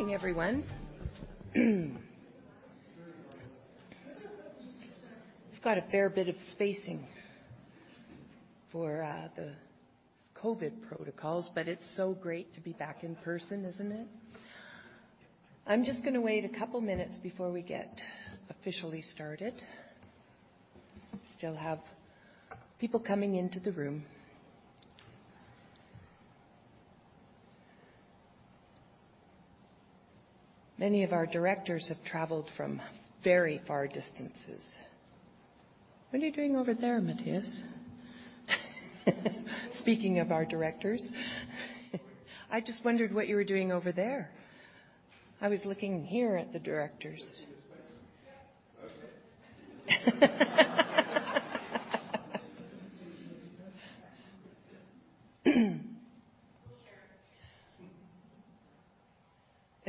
Morning, everyone. We've got a fair bit of spacing for the COVID protocols, but it's so great to be back in person, isn't it? I'm just gonna wait a couple minutes before we get officially started. Still have people coming into the room. Many of our directors have traveled from very far distances. What are you doing over there, Matthias? Speaking of our directors. I just wondered what you were doing over there. I was looking here at the directors.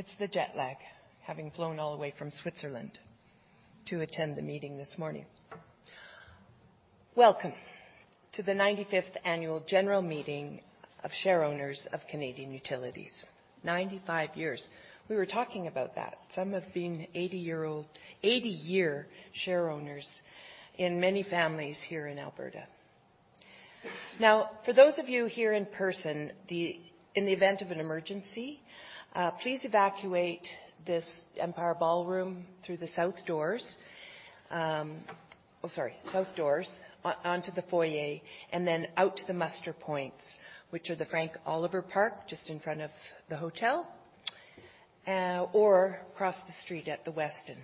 Okay. It's the jet lag, having flown all the way from Switzerland to attend the meeting this morning. Welcome to the 95th annual general meeting of shareowners of Canadian Utilities. 95 years. We were talking about that, some have been 80-year shareowners in many families here in Alberta. Now, for those of you here in person, in the event of an emergency, please evacuate this Empire Ballroom through the south doors onto the foyer and then out to the muster points, which are the Frank Oliver Park just in front of the hotel, or across the street at the Westin.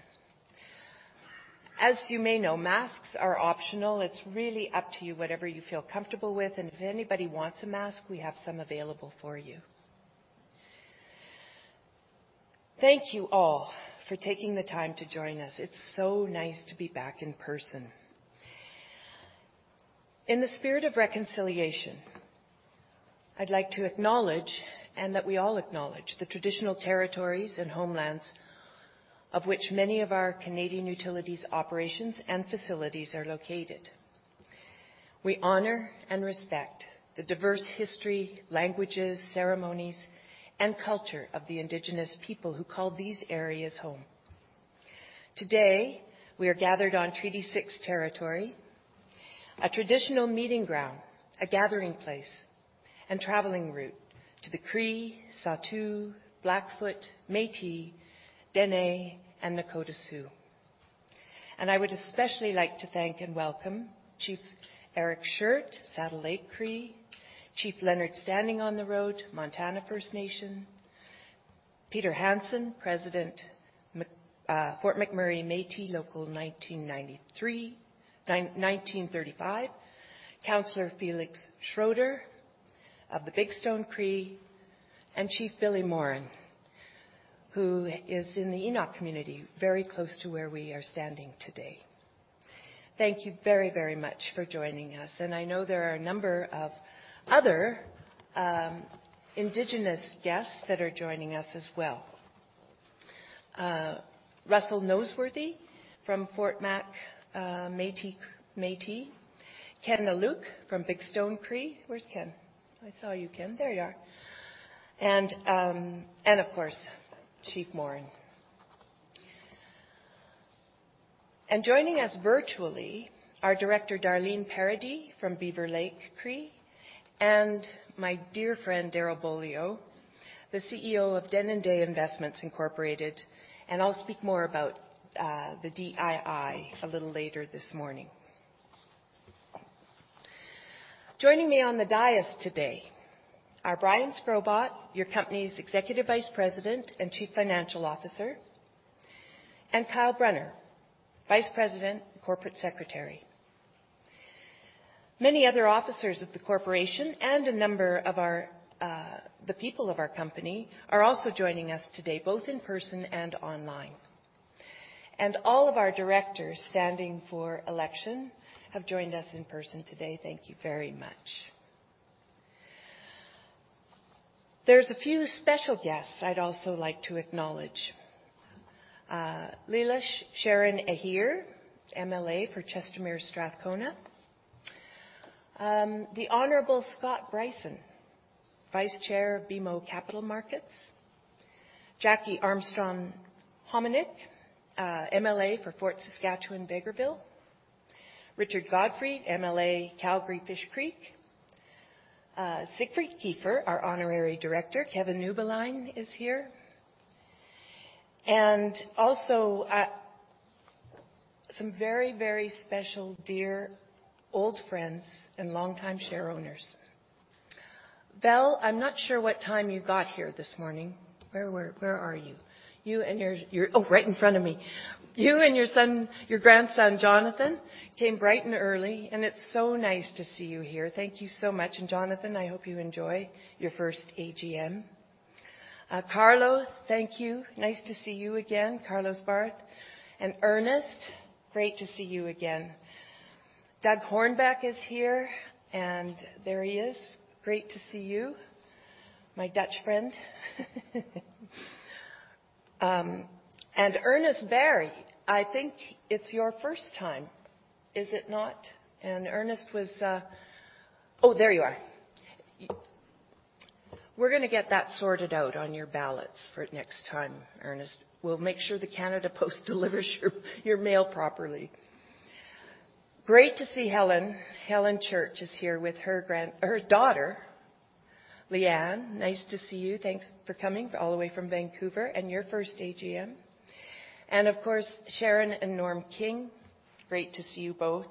As you may know, masks are optional. It's really up to you, whatever you feel comfortable with, and if anybody wants a mask, we have some available for you. Thank you all for taking the time to join us. It's so nice to be back in person. In the spirit of reconciliation, I'd like to acknowledge, and that we all acknowledge, the traditional territories and homelands of which many of our Canadian Utilities operations and facilities are located. We honor and respect the diverse history, languages, ceremonies, and culture of the Indigenous people who call these areas home. Today, we are gathered on Treaty 6 territory, a traditional meeting ground, a gathering place, and traveling route to the Cree, Saulteaux, Blackfoot, Métis, Dene, and Nakoda Sioux. I would especially like to thank and welcome Chief Eric Shirt, Saddle Lake Cree; Chief Leonard Standingontheroad, Montana First Nation; Peter Hansen, President, Fort McMurray Métis Local 1935; Councilor Felix Schroder of the Bigstone Cree; and Chief Billy Morin, who is in the Enoch community, very close to where we are standing today. Thank you very, very much for joining us. I know there are a number of other Indigenous guests that are joining us as well. Russell Noseworthy from Fort Mac Métis. Ken Alook from Bigstone Cree. Where's Ken? I saw you, Ken. There you are. Of course, Chief Morin. Joining us virtually, our Director, Darlene Paradis from Beaver Lake Cree, and my dear friend Darrell Beaulieu, the CEO of Denendeh Investments Incorporated, and I'll speak more about the DII a little later this morning. Joining me on the dais today are Brian Shkrobot, your company's Executive Vice President and Chief Financial Officer; and Kyle Brunner, Vice President and Corporate Secretary. Many other officers of the corporation and a number of the people of our company are also joining us today, both in person and online. All of our directors standing for election have joined us in person today. Thank you very much. There's a few special guests I'd also like to acknowledge. Leela Sharon Aheer, MLA, for Chestermere-Strathmore; The Honorable Scott Brison, Vice-Chair of BMO Capital Markets; Jackie Armstrong-Homeniuk, MLA for Fort Saskatchewan-Vegreville; Richard Gotfried, MLA, Calgary-Fish Creek; Siegfried Kiefer, our Honourary Director; Kevin Uebelein is here. Also, some very, very special dear old friends and longtime shareowners. Belle, I'm not sure what time you got here this morning. Where are you? Oh, right in front of me. You and your grandson, Jonathan, came bright and early, and it's so nice to see you here. Thank you so much. Jonathan, I hope you enjoy your first AGM. Carlos, thank you. Nice to see you again, Carlos Barth and Ernest, great to see you again. Doug Hornbeck is here, and there he is. Great to see you, my Dutch friend. Ernest Varry, I think it's your first time. Is it not? We're gonna get that sorted out on your ballots for next time, Ernest. We'll make sure the Canada Post delivers your mail properly. Great to see Helen. Helen Church is here with her daughter, Lianne. Nice to see you. Thanks for coming all the way from Vancouver, and your first AGM. Sharon and Norm King, great to see you both.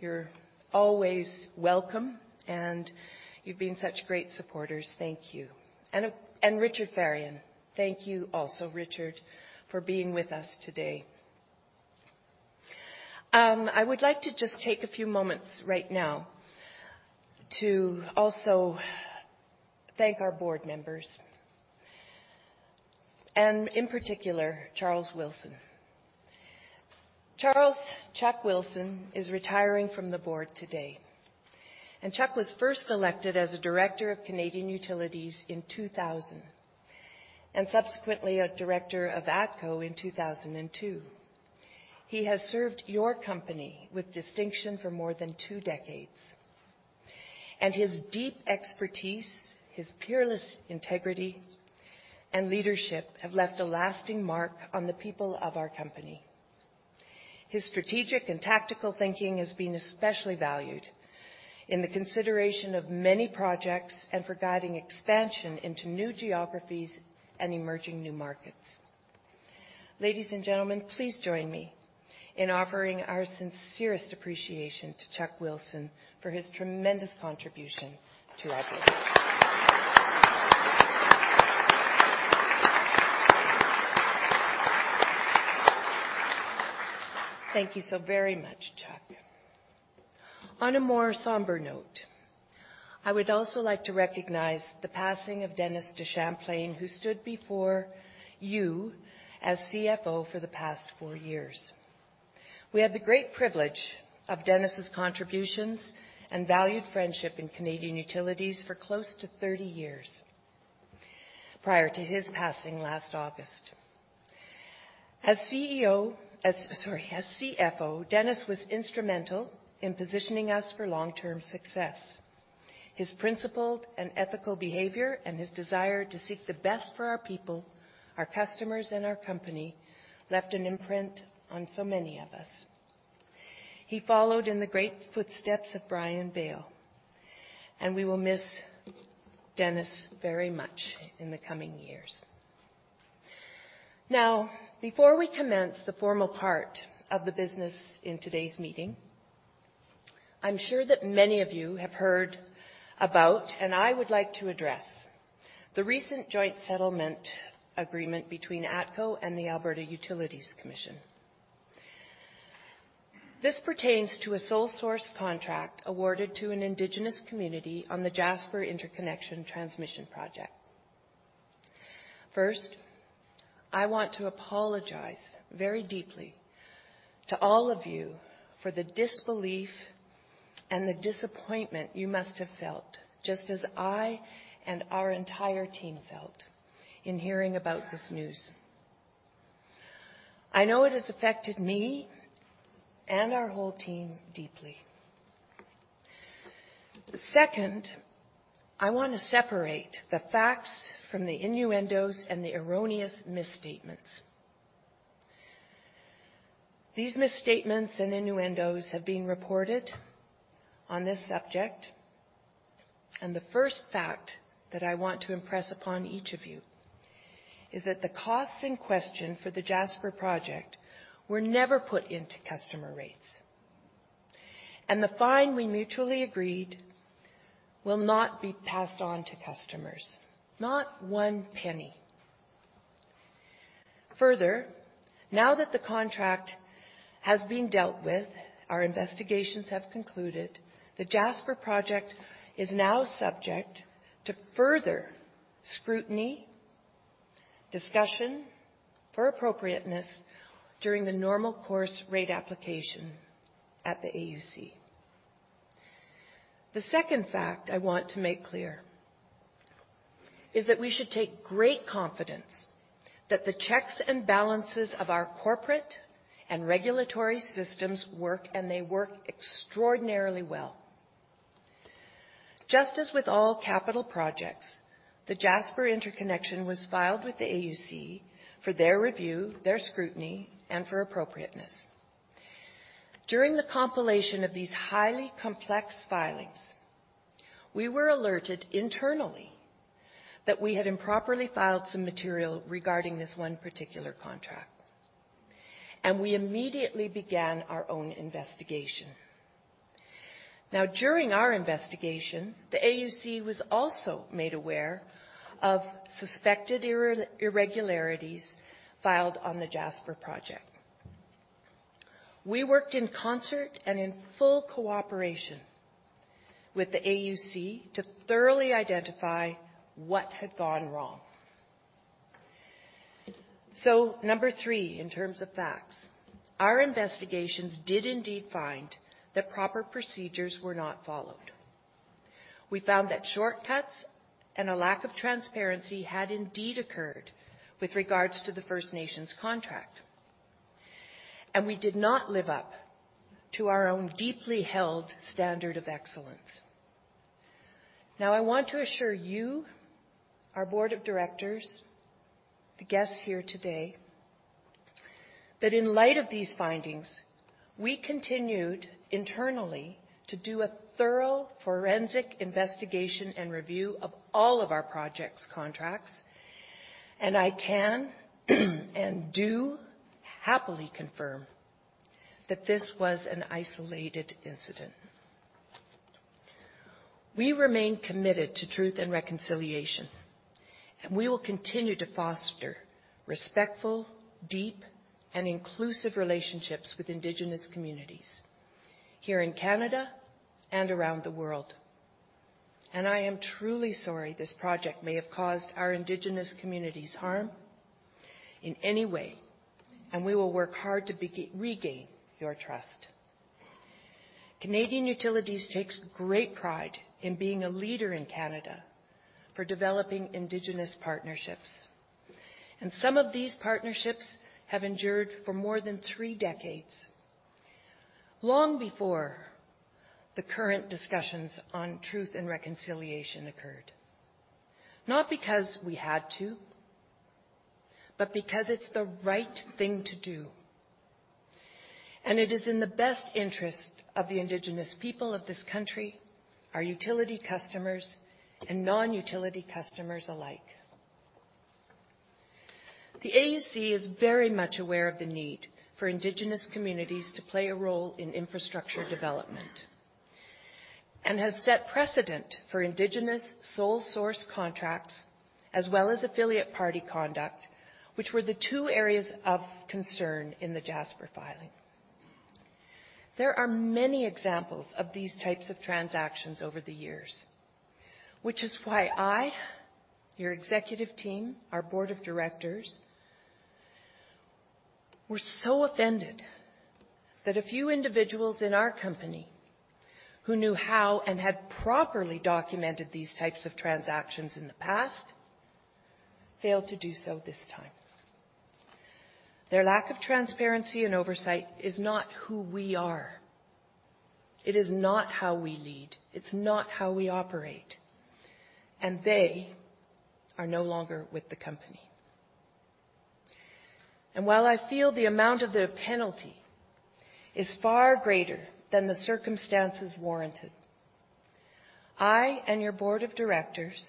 You're always welcome, and you've been such great supporters. Thank you. Richard Therrien. Thank you also, Richard, for being with us today. I would like to just take a few moments right now to also thank our board members, and in particular, Charles Wilson. Charles "Chuck" Wilson is retiring from the board today. Chuck was first elected as a director of Canadian Utilities in 2000, and subsequently a director of ATCO in 2002. He has served your company with distinction for more than two decades, and his deep expertise, his peerless integrity and leadership have left a lasting mark on the people of our company. His strategic and tactical thinking has been especially valued in the consideration of many projects and for guiding expansion into new geographies and emerging new markets. Ladies and gentlemen, please join me in offering our sincerest appreciation to Chuck Wilson for his tremendous contribution to our board. Thank you so very much, Chuck. On a more somber note, I would also like to recognize the passing of Dennis DeChamplain, who stood before you as CFO for the past four years. We had the great privilege of Dennis' contributions and valued friendship in Canadian Utilities for close to 30 years prior to his passing last August. As CFO, Dennis was instrumental in positioning us for long-term success. His principled and ethical behavior and his desire to seek the best for our people, our customers, and our company left an imprint on so many of us. He followed in the great footsteps of Brian Bale, and we will miss Dennis very much in the coming years. Now, before we commence the formal part of the business in today's meeting, I'm sure that many of you have heard about, and I would like to address, the recent joint settlement agreement between ATCO and the Alberta Utilities Commission. This pertains to a sole source contract awarded to an Indigenous community on the Jasper Interconnection Transmission Project. First, I want to apologize very deeply to all of you for the disbelief and the disappointment you must have felt, just as I and our entire team felt in hearing about this news. I know it has affected me and our whole team deeply. Second, I want to separate the facts from the innuendos and the erroneous misstatements. These misstatements and innuendos have been reported on this subject, and the first fact that I want to impress upon each of you is that the costs in question for the Jasper project were never put into customer rates, and the fine we mutually agreed will not be passed on to customers. Not one penny. Further, now that the contract has been dealt with, our investigations have concluded the Jasper project is now subject to further scrutiny, discussion for appropriateness during the normal course rate application at the AUC. The second fact I want to make clear is that we should take great confidence that the checks and balances of our corporate and regulatory systems work, and they work extraordinarily well. Just as with all capital projects, the Jasper interconnection was filed with the AUC for their review, their scrutiny, and for appropriateness. During the compilation of these highly complex filings, we were alerted internally that we had improperly filed some material regarding this one particular contract, and we immediately began our own investigation. Now, during our investigation, the AUC was also made aware of suspected irregularities filed on the Jasper project. We worked in concert and in full cooperation with the AUC to thoroughly identify what had gone wrong. Number three, in terms of facts, our investigations did indeed find that proper procedures were not followed. We found that shortcuts and a lack of transparency had indeed occurred with regards to the First Nations contract, and we did not live up to our own deeply held standard of excellence. Now, I want to assure you, our Board of Directors, the guests here today, that in light of these findings, we continued internally to do a thorough forensic investigation and review of all of our project contracts, and I can and do happily confirm that this was an isolated incident. We remain committed to Truth and Reconciliation, and we will continue to foster respectful, deep, and inclusive relationships with Indigenous communities here in Canada and around the world. I am truly sorry this project may have caused our Indigenous communities harm in any way, and we will work hard to regain your trust. Canadian Utilities takes great pride in being a leader in Canada for developing Indigenous partnerships, and some of these partnerships have endured for more than three decades, long before the current discussions on Truth and Reconciliation occurred, not because we had to, but because it's the right thing to do, and it is in the best interest of the Indigenous people of this country, our utility customers and non-utility customers alike. The AUC is very much aware of the need for Indigenous communities to play a role in infrastructure development and has set precedent for Indigenous sole-source contracts as well as affiliate party conduct, which were the two areas of concern in the Jasper filing. There are many examples of these types of transactions over the years, which is why I, your executive team, our Board of Directors, were so offended that a few individuals in our company who knew how and had properly documented these types of transactions in the past failed to do so this time. Their lack of transparency and oversight is not who we are. It is not how we lead. It's not how we operate. They are no longer with the Company. While I feel the amount of the penalty is far greater than the circumstances warranted, I and your Board of Directors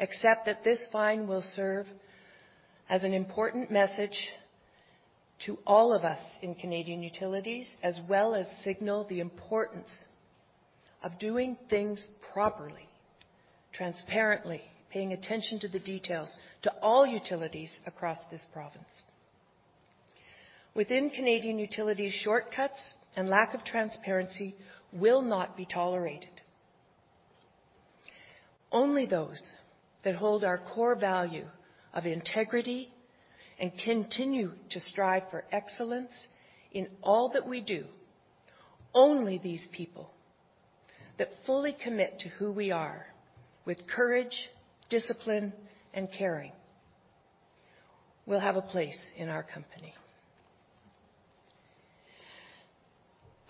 accept that this fine will serve as an important message to all of us in Canadian Utilities, as well as signal the importance of doing things properly, transparently, paying attention to the details to all utilities across this province. Within Canadian Utilities, shortcuts and lack of transparency will not be tolerated. Only those that hold our core value of integrity and continue to strive for excellence in all that we do, only these people that fully commit to who we are with courage, discipline, and caring will have a place in our company.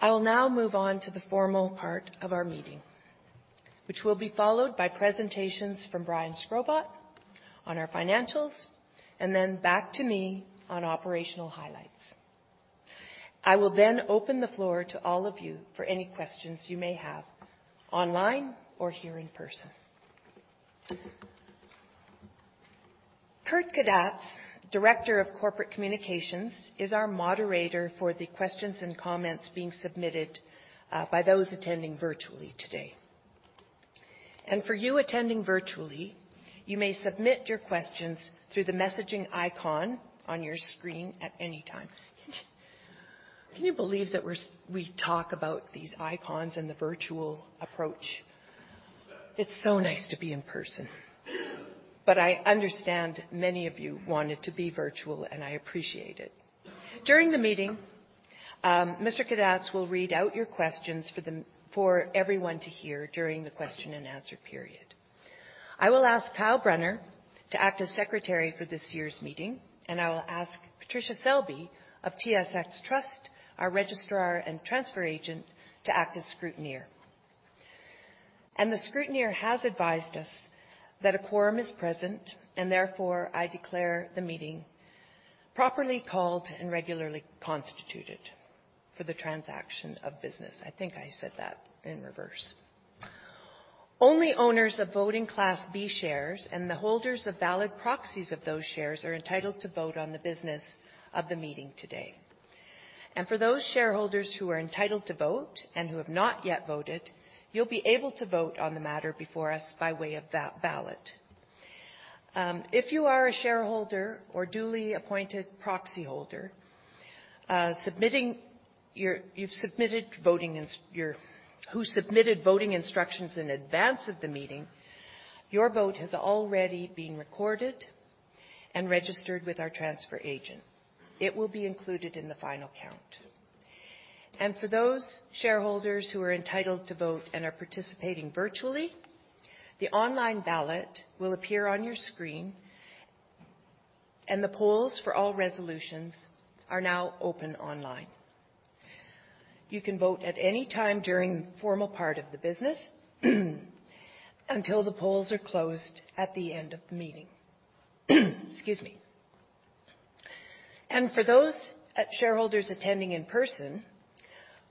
I will now move on to the formal part of our meeting, which will be followed by presentations from Brian Shkrobot on our financials, and then back to me on operational highlights. I will then open the floor to all of you for any questions you may have online or here in person. Kurt Kadatz, Director of Corporate Communications, is our moderator for the questions and comments being submitted by those attending virtually today. For you attending virtually, you may submit your questions through the messaging icon on your screen at any time. Can you believe that we talk about these icons and the virtual approach? It's so nice to be in person. I understand many of you wanted to be virtual, and I appreciate it. During the meeting, Mr. Kadatz will read out your questions for everyone to hear during the question and answer period. I will ask Kyle Brunner to act as secretary for this year's meeting, and I will ask Patricia Selby of TSX Trust, our registrar and transfer agent, to act as scrutineer. The scrutineer has advised us that a quorum is present, and therefore, I declare the meeting properly called and regularly constituted for the transaction of business. I think I said that in reverse. Only owners of voting Class B shares and the holders of valid proxies of those shares are entitled to vote on the business of the meeting today. For those shareholders who are entitled to vote and who have not yet voted, you'll be able to vote on the matter before us by way of that ballot. If you are a shareholder or duly appointed proxy holder who submitted voting instructions in advance of the meeting, your vote has already been recorded and registered with our transfer agent. It will be included in the final count. For those shareholders who are entitled to vote and are participating virtually, the online ballot will appear on your screen, and the polls for all resolutions are now open online. You can vote at any time during the formal part of the business until the polls are closed at the end of the meeting. Excuse me. For those shareholders attending in person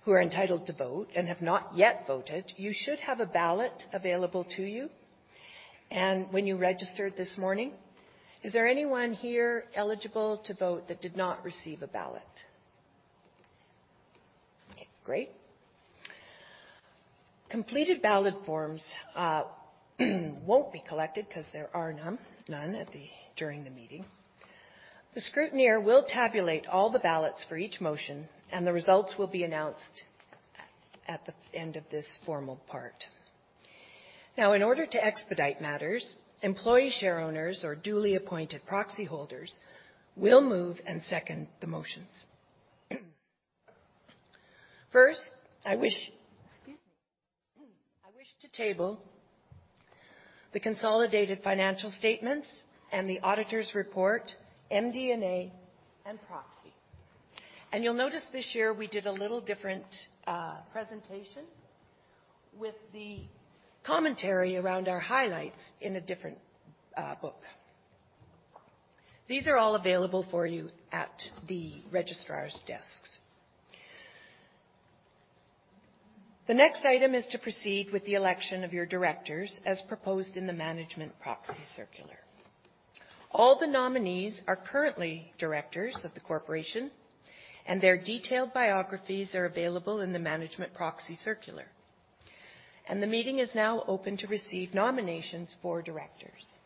who are entitled to vote and have not yet voted, you should have a ballot available to you when you registered this morning. Is there anyone here eligible to vote that did not receive a ballot? Okay, great. Completed ballot forms won't be collected 'cause there are none during the meeting. The scrutineer will tabulate all the ballots for each motion, and the results will be announced at the end of this formal part. Now, in order to expedite matters, employee shareowners or duly appointed proxy holders will move and second the motions. Excuse me. I wish to table the consolidated financial statements and the auditors' report, MD&A and proxy. You'll notice this year we did a little different presentation with the commentary around our highlights in a different book. These are all available for you at the registrar's desks. The next item is to proceed with the election of your directors as proposed in the Management Proxy Circular. All the nominees are currently directors of the corporation, and their detailed biographies are available in the Management Proxy Circular. The meeting is now open to receive nominations for directors.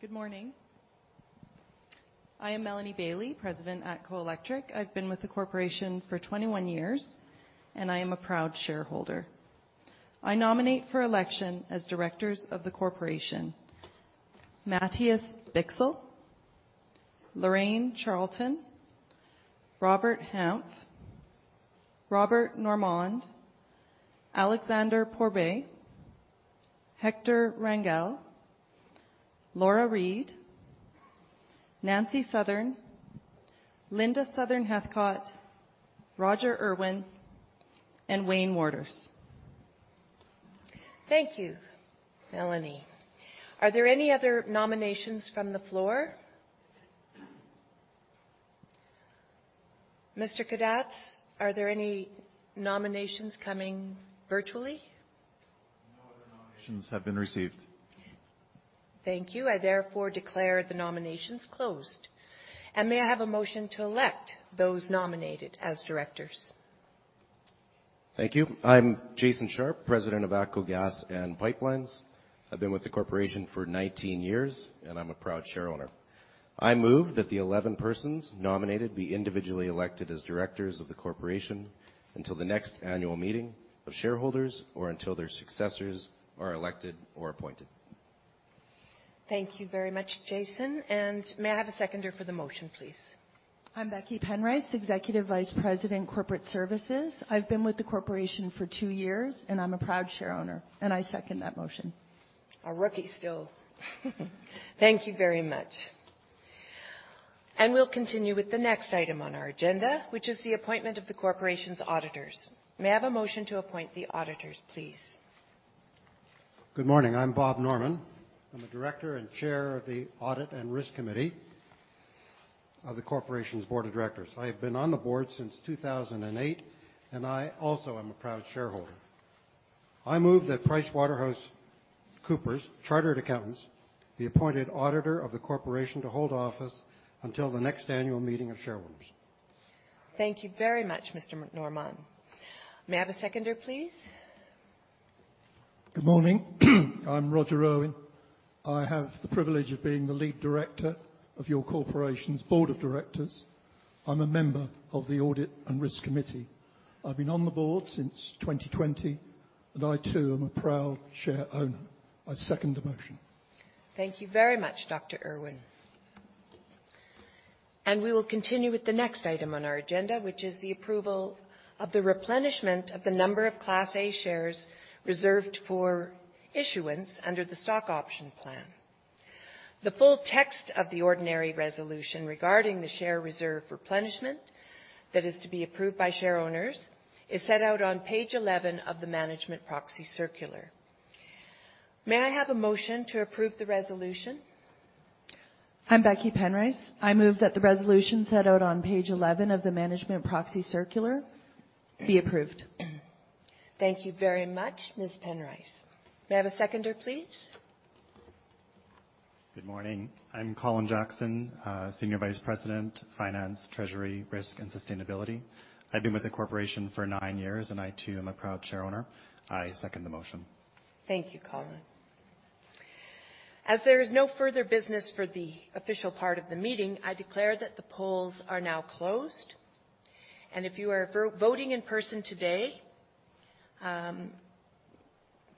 Good morning. I am Melanie Bayley, President, ATCO Electric. I've been with the corporation for 21 years, and I am a proud shareholder. I nominate for election as directors of the corporation, Matthias Bichsel, Loraine Charlton, Robert Hanf, Robert Normand, Alexander Pourbaix, Hector Rangel, Laura Reed, Nancy Southern, Linda Southern-Heathcott, Roger Urwin, and Wayne Wouters. Thank you, Melanie. Are there any other nominations from the floor? Mr. Kadatz, are there any nominations coming virtually? No other nominations have been received. Thank you. I therefore declare the nominations closed. May I have a motion to elect those nominated as directors? Thank you. I'm Jason Sharpe, President of ATCO Gas and Pipelines. I've been with the corporation for 19 years, and I'm a proud shareowner. I move that the 11 persons nominated be individually elected as directors of the corporation until the next annual meeting of shareholders or until their successors are elected or appointed. Thank you very much, Jason. May I have a seconder for the motion, please? I'm Becky Penrice, Executive Vice President, Corporate Services. I've been with the corporation for two years, and I'm a proud shareowner, and I second that motion. A rookie still. Thank you very much. We'll continue with the next item on our agenda, which is the appointment of the corporation's auditors. May I have a motion to appoint the auditors, please? Good morning. I'm Bob Normand. I'm a Director and Chair of the Audit and Risk Committee of the corporation's Board of Directors. I have been on the board since 2008, and I also am a proud shareholder. I move that PricewaterhouseCoopers, Chartered Accountants, be appointed auditor of the corporation to hold office until the next annual meeting of shareholders. Thank you very much, Mr. Normand. May I have a seconder, please? Good morning. I'm Roger Urwin. I have the privilege of being the lead director of your corporation's Board of Directors. I'm a member of the Audit and Risk Committee. I've been on the board since 2020, and I too am a proud shareowner. I second the motion. Thank you very much, Dr. Urwin. We will continue with the next item on our agenda, which is the approval of the replenishment of the number of Class A shares reserved for issuance under the stock option plan. The full text of the ordinary resolution regarding the share reserve replenishment that is to be approved by shareowners is set out on page 11 of the Management Proxy Circular. May I have a motion to approve the resolution? I'm Becky Penrice. I move that the resolution set out on page 11 of the Management Proxy Circular be approved. Thank you very much, Ms. Penrice. May I have a seconder, please? Good morning. I'm Colin Jackson, Senior Vice President, Finance, Treasury, Risk and Sustainability. I've been with the corporation for nine years, and I too am a proud shareowner. I second the motion. Thank you, Colin. As there is no further business for the official part of the meeting, I declare that the polls are now closed. If you are voting in person today,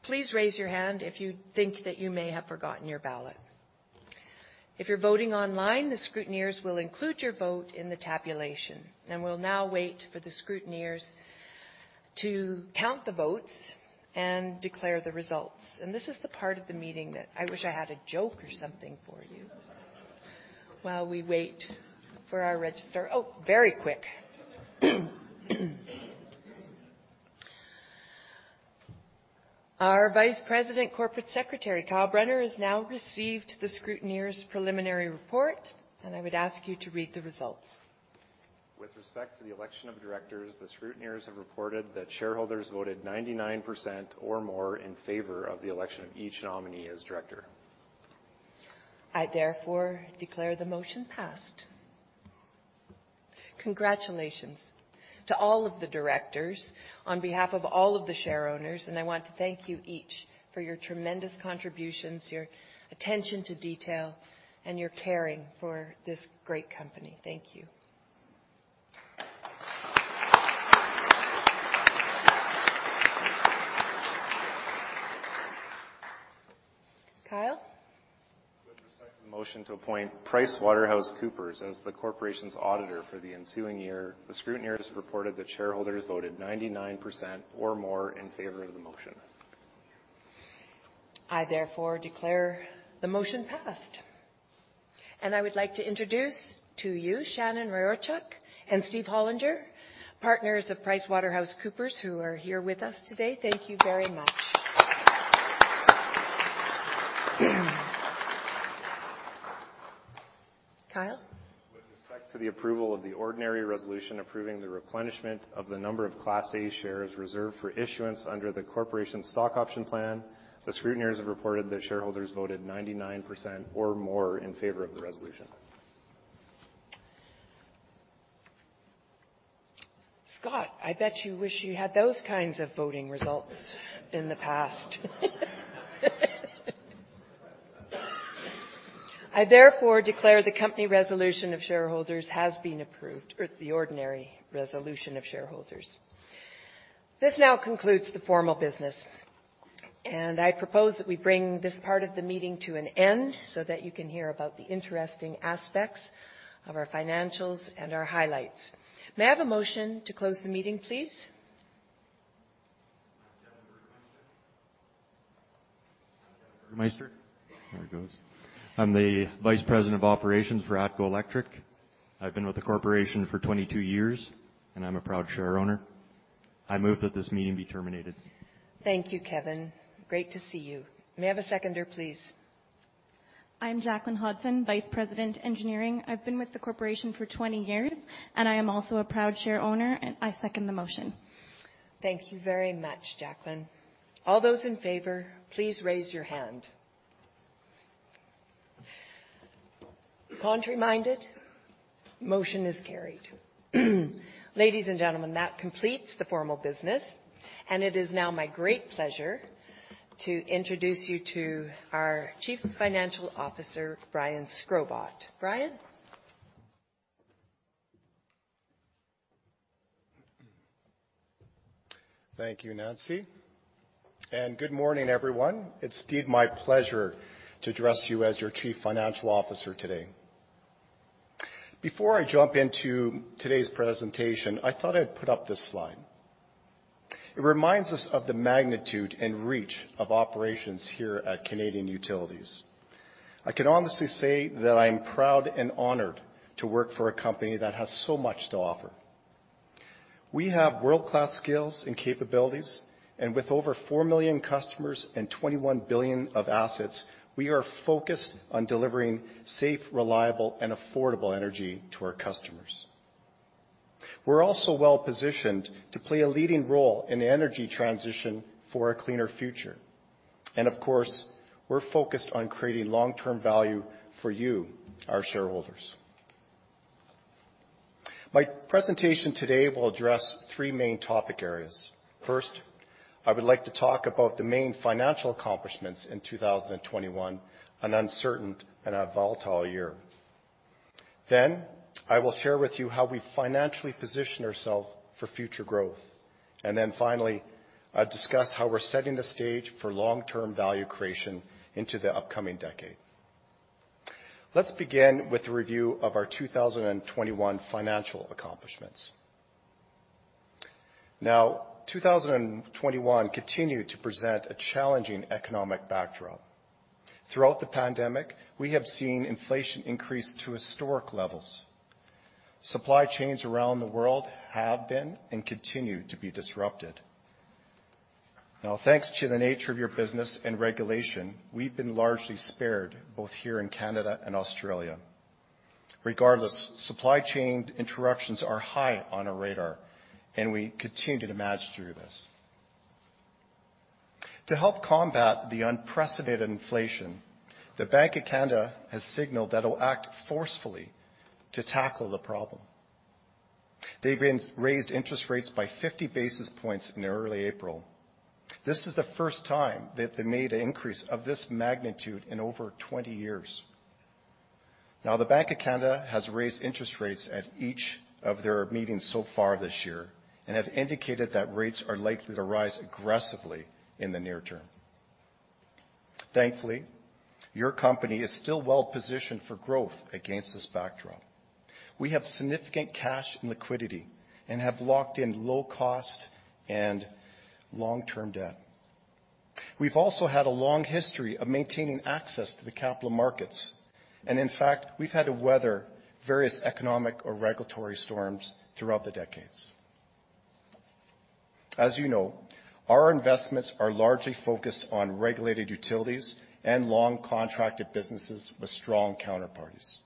please raise your hand if you think that you may have forgotten your ballot. If you're voting online, the scrutineers will include your vote in the tabulation. We'll now wait for the scrutineers to count the votes and declare the results. This is the part of the meeting that I wish I had a joke or something for you while we wait for our registrar. Oh, very quick. Our Vice President, Corporate Secretary, Kyle Brunner, has now received the scrutineers' preliminary report, and I would ask you to read the results. With respect to the election of directors, the scrutineers have reported that shareholders voted 99% or more in favor of the election of each nominee as director. I therefore declare the motion passed. Congratulations to all of the directors on behalf of all of the shareowners, and I want to thank you each for your tremendous contributions, your attention to detail, and your caring for this great company. Thank you. Kyle? With respect to the motion to appoint PricewaterhouseCoopers as the corporation's auditor for the ensuing year, the scrutineers reported that shareholders voted 99% or more in favor of the motion. I therefore declare the motion passed. I would like to introduce to you Shannon Ryhorchuk and Steve Hollinger, partners of PricewaterhouseCoopers, who are here with us today. Thank you very much. Kyle? With respect to the approval of the ordinary resolution approving the replenishment of the number of Class A shares reserved for issuance under the corporation's stock option plan, the scrutineers have reported that shareholders voted 99% or more in favor of the resolution. Scott, I bet you wish you had those kinds of voting results in the past. I therefore declare the Company resolution of shareholders has been approved or the ordinary resolution of shareholders. This now concludes the formal business, and I propose that we bring this part of the meeting to an end so that you can hear about the interesting aspects of our financials and our highlights. May I have a motion to close the meeting, please? Kevin Burgemeister. There he goes. I'm the Vice President of Operations for ATCO Electric. I've been with the corporation for 22 years, and I'm a proud shareowner. I move that this meeting be terminated. Thank you, Kevin. Great to see you. May I have a seconder, please? I'm Jacalyn Hodgson, Vice President, Engineering. I've been with the corporation for 20 years, and I am also a proud shareowner, and I second the motion. Thank you very much, Jacalyn. All those in favor, please raise your hand. Contrary-minded? Motion is carried. Ladies and gentlemen, that completes the formal business, and it is now my great pleasure to introduce you to our Chief Financial Officer, Brian Shkrobot. Brian? Thank you, Nancy. Good morning, everyone. It's indeed my pleasure to address you as your Chief Financial Officer today. Before I jump into today's presentation, I thought I'd put up this slide. It reminds us of the magnitude and reach of operations here at Canadian Utilities. I can honestly say that I'm proud and honored to work for a company that has so much to offer. We have world-class skills and capabilities, and with over 4 million customers and 21 billion of assets, we are focused on delivering safe, reliable, and affordable energy to our customers. We're also well-positioned to play a leading role in the energy transition for a cleaner future. Of course, we're focused on creating long-term value for you, our shareholders. My presentation today will address three main topic areas. First, I would like to talk about the main financial accomplishments in 2021, an uncertain and a volatile year. I will share with you how we financially position ourselves for future growth. Finally, I'll discuss how we're setting the stage for long-term value creation into the upcoming decade. Let's begin with a review of our 2021 financial accomplishments. Now, 2021 continued to present a challenging economic backdrop. Throughout the pandemic, we have seen inflation increase to historic levels. Supply chains around the world have been and continue to be disrupted. Now, thanks to the nature of your business and regulation, we've been largely spared both here in Canada and Australia. Regardless, supply chain interruptions are high on our radar, and we continue to manage through this. To help combat the unprecedented inflation, the Bank of Canada has signaled that it'll act forcefully to tackle the problem. They've raised interest rates by 50 basis points in early April. This is the first time that they made an increase of this magnitude in over 20 years. Now, the Bank of Canada has raised interest rates at each of their meetings so far this year and have indicated that rates are likely to rise aggressively in the near term. Thankfully, your company is still well-positioned for growth against this backdrop. We have significant cash and liquidity and have locked in low cost and long-term debt. We've also had a long history of maintaining access to the capital markets, and in fact, we've had to weather various economic or regulatory storms throughout the decades. As you know, our investments are largely focused on regulated utilities and long-contracted businesses with strong counterparties.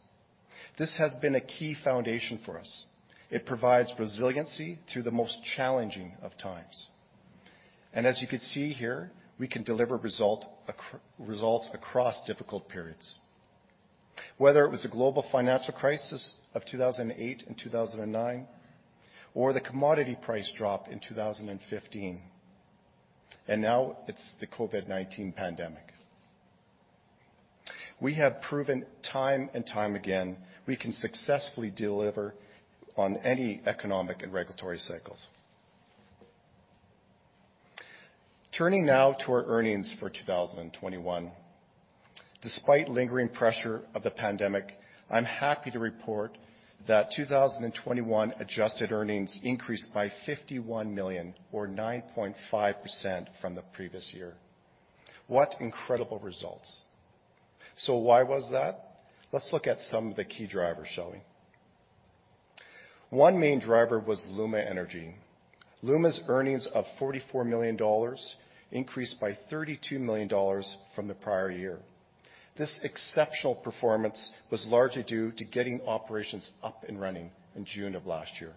This has been a key foundation for us. It provides resiliency through the most challenging of times. As you can see here, we can deliver results across difficult periods, whether it was the global financial crisis of 2008 and 2009, or the commodity price drop in 2015, and now it's the COVID-19 pandemic. We have proven time and time again, we can successfully deliver on any economic and regulatory cycles. Turning now to our earnings for 2021. Despite lingering pressure of the pandemic, I'm happy to report that 2021 adjusted earnings increased by 51 million or 9.5% from the previous year. What incredible results. Why was that? Let's look at some of the key drivers, shall we? One main driver was LUMA Energy. LUMA's earnings of $44 million increased by $32 million from the prior year. This exceptional performance was largely due to getting operations up and running in June of last year.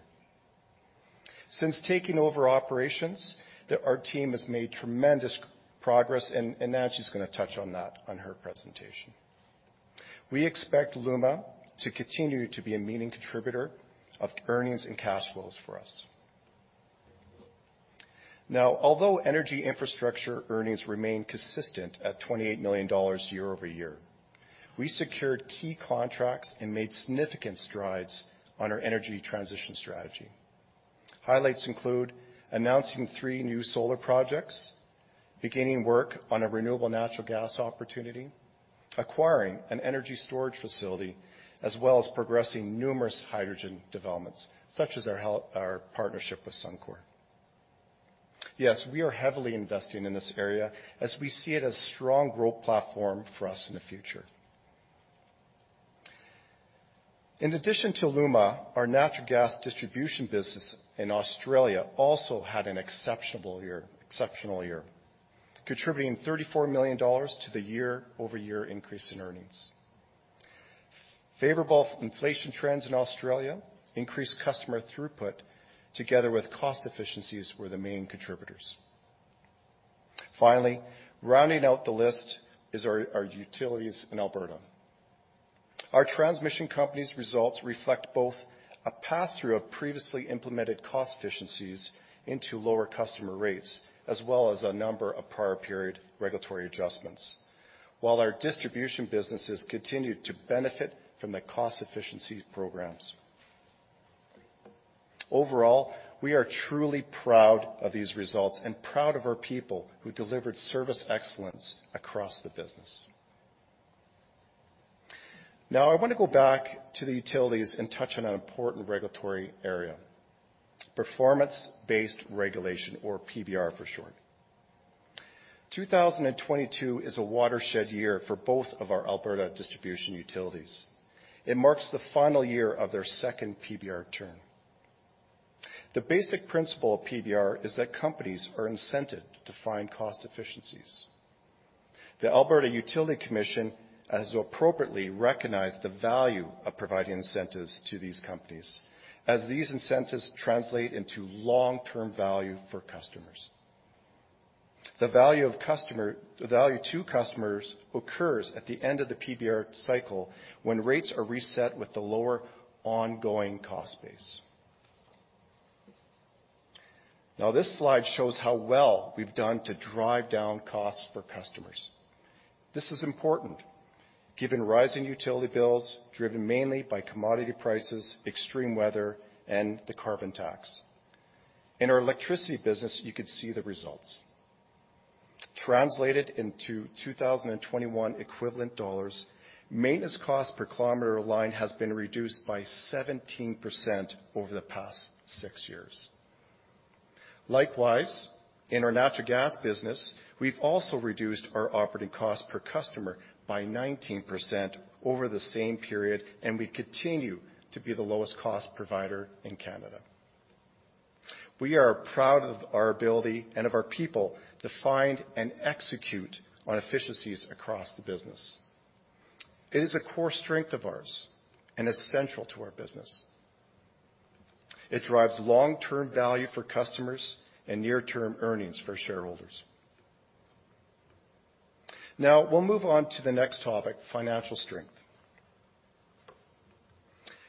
Since taking over operations, our team has made tremendous progress, and now she's gonna touch on that on her presentation. We expect LUMA to continue to be a meaningful contributor of earnings and cash flows for us. Now, although energy infrastructure earnings remain consistent at $28 million year-over-year, we secured key contracts and made significant strides on our energy transition strategy. Highlights include announcing three new solar projects, beginning work on a renewable natural gas opportunity, acquiring an energy storage facility, as well as progressing numerous hydrogen developments, such as our partnership with Suncor. Yes, we are heavily investing in this area as we see it as strong growth platform for us in the future. In addition to LUMA, our natural gas distribution business in Australia also had an exceptional year, contributing 34 million dollars to the year-over-year increase in earnings. Favorable inflation trends in Australia increased customer throughput together with cost efficiencies were the main contributors. Finally, rounding out the list is our utilities in Alberta. Our transmission company's results reflect both a pass-through of previously implemented cost efficiencies into lower customer rates, as well as a number of prior period regulatory adjustments, while our distribution businesses continued to benefit from the cost efficiency programs. Overall, we are truly proud of these results and proud of our people who delivered service excellence across the business. Now, I wanna go back to the utilities and touch on an important regulatory area, performance-based regulation or PBR for short. 2022 is a watershed year for both of our Alberta distribution utilities. It marks the final year of their second PBR term. The basic principle of PBR is that companies are incented to find cost efficiencies. The Alberta Utilities Commission has appropriately recognized the value of providing incentives to these companies as these incentives translate into long-term value for customers. The value to customers occurs at the end of the PBR cycle when rates are reset with the lower ongoing cost base. Now, this slide shows how well we've done to drive down costs for customers. This is important given rising utility bills driven mainly by commodity prices, extreme weather, and the carbon tax. In our electricity business, you could see the results. Translated into 2021 equivalent dollars, maintenance cost per kilometer line has been reduced by 17% over the past six years. Likewise, in our natural gas business, we've also reduced our operating cost per customer by 19% over the same period and we continue to be the lowest cost provider in Canada. We are proud of our ability and of our people to find and execute on efficiencies across the business. It is a core strength of ours and essential to our business. It drives long-term value for customers and near-term earnings for shareholders. Now, we'll move on to the next topic, financial strength.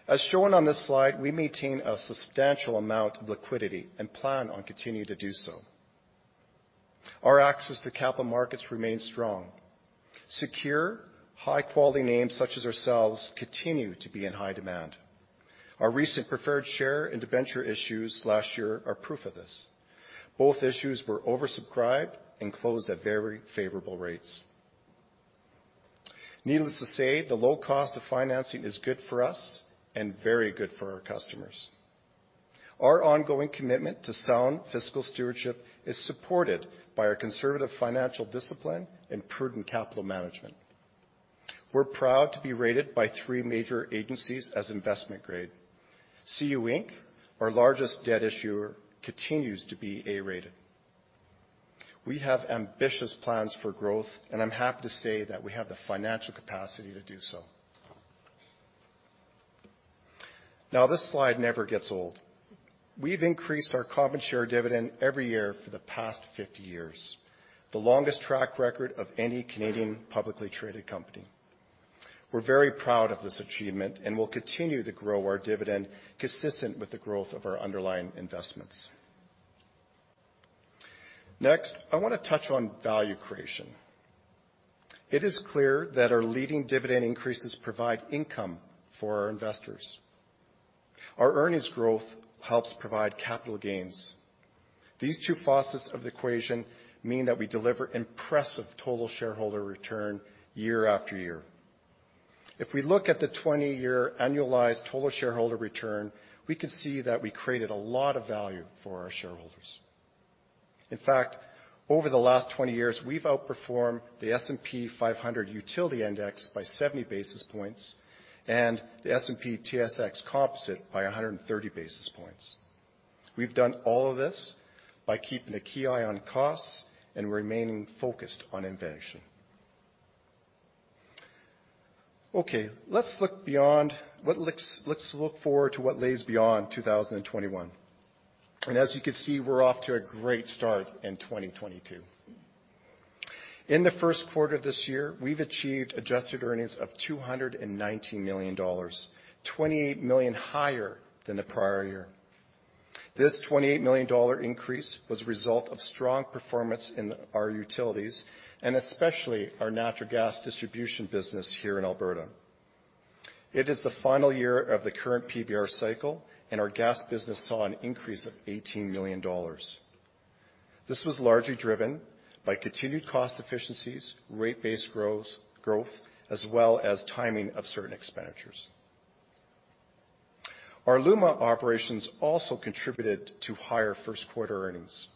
As shown on this slide, we maintain a substantial amount of liquidity and plan on continuing to do so. Our access to capital markets remains strong. Secure, high quality names such as ourselves continue to be in high demand. Our recent preferred share and debenture issues last year are proof of this. Both issues were oversubscribed and closed at very favorable rates. Needless to say, the low cost of financing is good for us and very good for our customers. Our ongoing commitment to sound fiscal stewardship is supported by our conservative financial discipline and prudent capital management. We're proud to be rated by three major agencies as investment grade. CU Inc, our largest debt issuer, continues to be A rated. We have ambitious plans for growth, and I'm happy to say that we have the financial capacity to do so. Now, this slide never gets old. We've increased our common share dividend every year for the past 50 years, the longest track record of any Canadian publicly traded company. We're very proud of this achievement, and will continue to grow our dividend consistent with the growth of our underlying investments. Next, I wanna touch on value creation. It is clear that our leading dividend increases provide income for our investors. Our earnings growth helps provide capital gains. These two facets of the equation mean that we deliver impressive total shareholder return year after year. If we look at the 20-year annualized total shareholder return, we can see that we created a lot of value for our shareholders. In fact, over the last 20 years, we've outperformed the S&P 500 Utilities Index by 70 basis points and the S&P/TSX Composite by 130 basis points. We've done all of this by keeping a keen eye on costs and remaining focused on innovation. Okay, let's look forward to what lies beyond 2021. As you can see, we're off to a great start in 2022. In the first quarter this year, we've achieved adjusted earnings of 219 million dollars, 28 million higher than the prior year. This 28 million dollar increase was a result of strong performance in our utilities and especially our natural gas distribution business here in Alberta. It is the final year of the current PBR cycle, and our gas business saw an increase of 18 million dollars. This was largely driven by continued cost efficiencies, rate-based growth, as well as timing of certain expenditures. Our LUMA operations also contributed to higher first quarter earnings.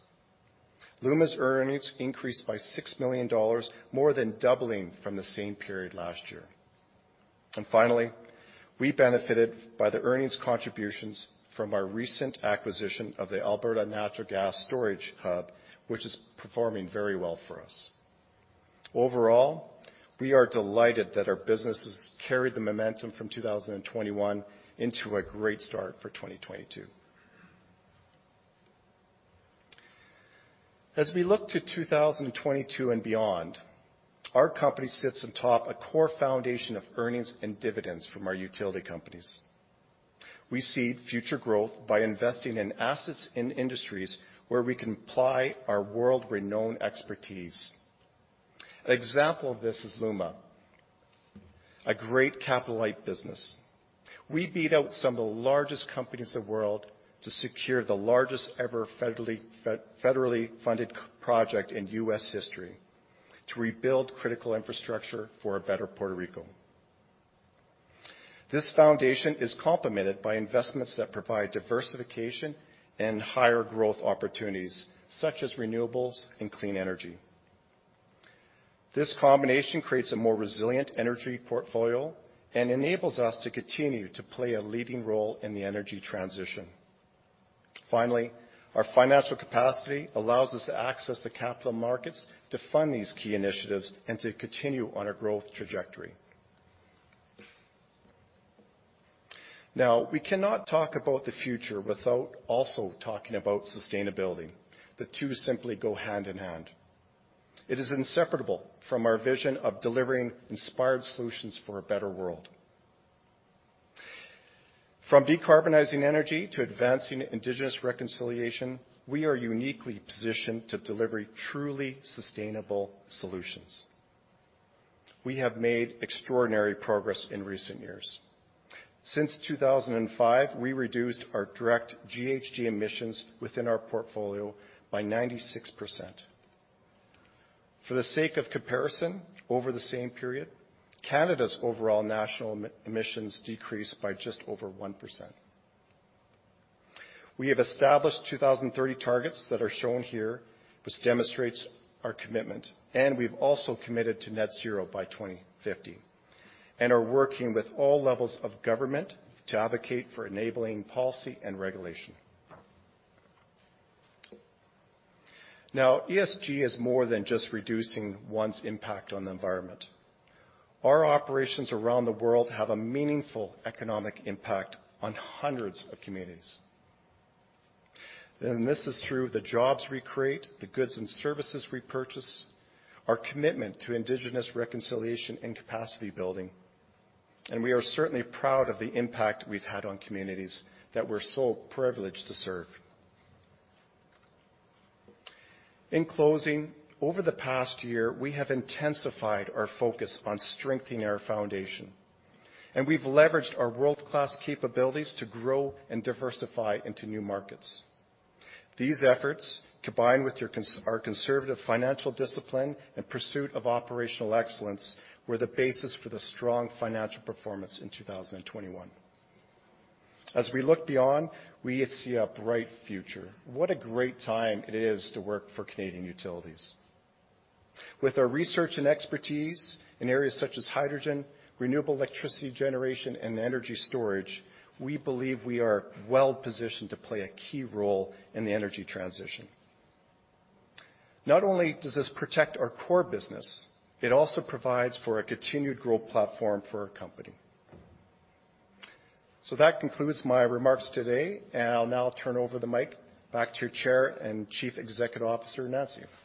LUMA's earnings increased by 6 million dollars, more than doubling from the same period last year. Finally, we benefited by the earnings contributions from our recent acquisition of the Alberta Natural Gas Storage Hub, which is performing very well for us. Overall, we are delighted that our businesses carried the momentum from 2021 into a great start for 2022. As we look to 2022 and beyond, our company sits atop a core foundation of earnings and dividends from our utility companies. We seed future growth by investing in assets in industries where we can apply our world-renowned expertise. An example of this is LUMA, a great capital-light business. We beat out some of the largest companies in the world to secure the largest ever federally funded project in U.S. history to rebuild critical infrastructure for a better Puerto Rico. This foundation is complemented by investments that provide diversification and higher growth opportunities, such as renewables and clean energy. This combination creates a more resilient energy portfolio and enables us to continue to play a leading role in the energy transition. Finally, our financial capacity allows us to access the capital markets to fund these key initiatives and to continue on our growth trajectory. Now, we cannot talk about the future without also talking about sustainability. The two simply go hand in hand. It is inseparable from our vision of delivering inspired solutions for a better world. From decarbonizing energy to advancing Indigenous reconciliation, we are uniquely positioned to deliver truly sustainable solutions. We have made extraordinary progress in recent years. Since 2005, we reduced our direct GHG emissions within our portfolio by 96%. For the sake of comparison, over the same period, Canada's overall national emissions decreased by just over 1%. We have established 2030 targets that are shown here, which demonstrates our commitment, and we've also committed to net-zero by 2050, and are working with all levels of government to advocate for enabling policy and regulation. Now, ESG is more than just reducing one's impact on the environment. Our operations around the world have a meaningful economic impact on hundreds of communities. This is through the jobs we create, the goods and services we purchase, our commitment to Indigenous reconciliation and capacity building. We are certainly proud of the impact we've had on communities that we're so privileged to serve. In closing, over the past year, we have intensified our focus on strengthening our foundation, and we've leveraged our world-class capabilities to grow and diversify into new markets. These efforts, combined with our conservative financial discipline and pursuit of operational excellence, were the basis for the strong financial performance in 2021. As we look beyond, we see a bright future. What a great time it is to work for Canadian Utilities. With our research and expertise in areas such as hydrogen, renewable electricity generation, and energy storage, we believe we are well-positioned to play a key role in the energy transition. Not only does this protect our core business, it also provides for a continued growth platform for our company. That concludes my remarks today, and I'll now turn over the mic back to your Chair and Chief Executive Officer, Nancy. Thank you,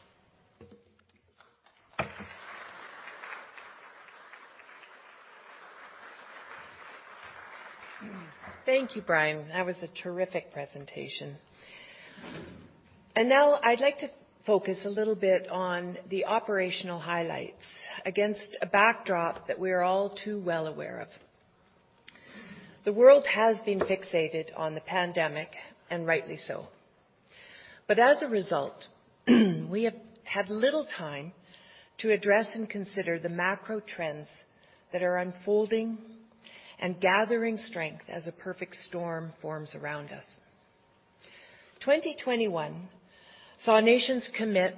Brian. That was a terrific presentation. Now I'd like to focus a little bit on the operational highlights against a backdrop that we are all too well aware of. The world has been fixated on the pandemic, and rightly so. As a result, we have had little time to address and consider the macro trends that are unfolding and gathering strength as a perfect storm forms around us. 2021 saw nations commit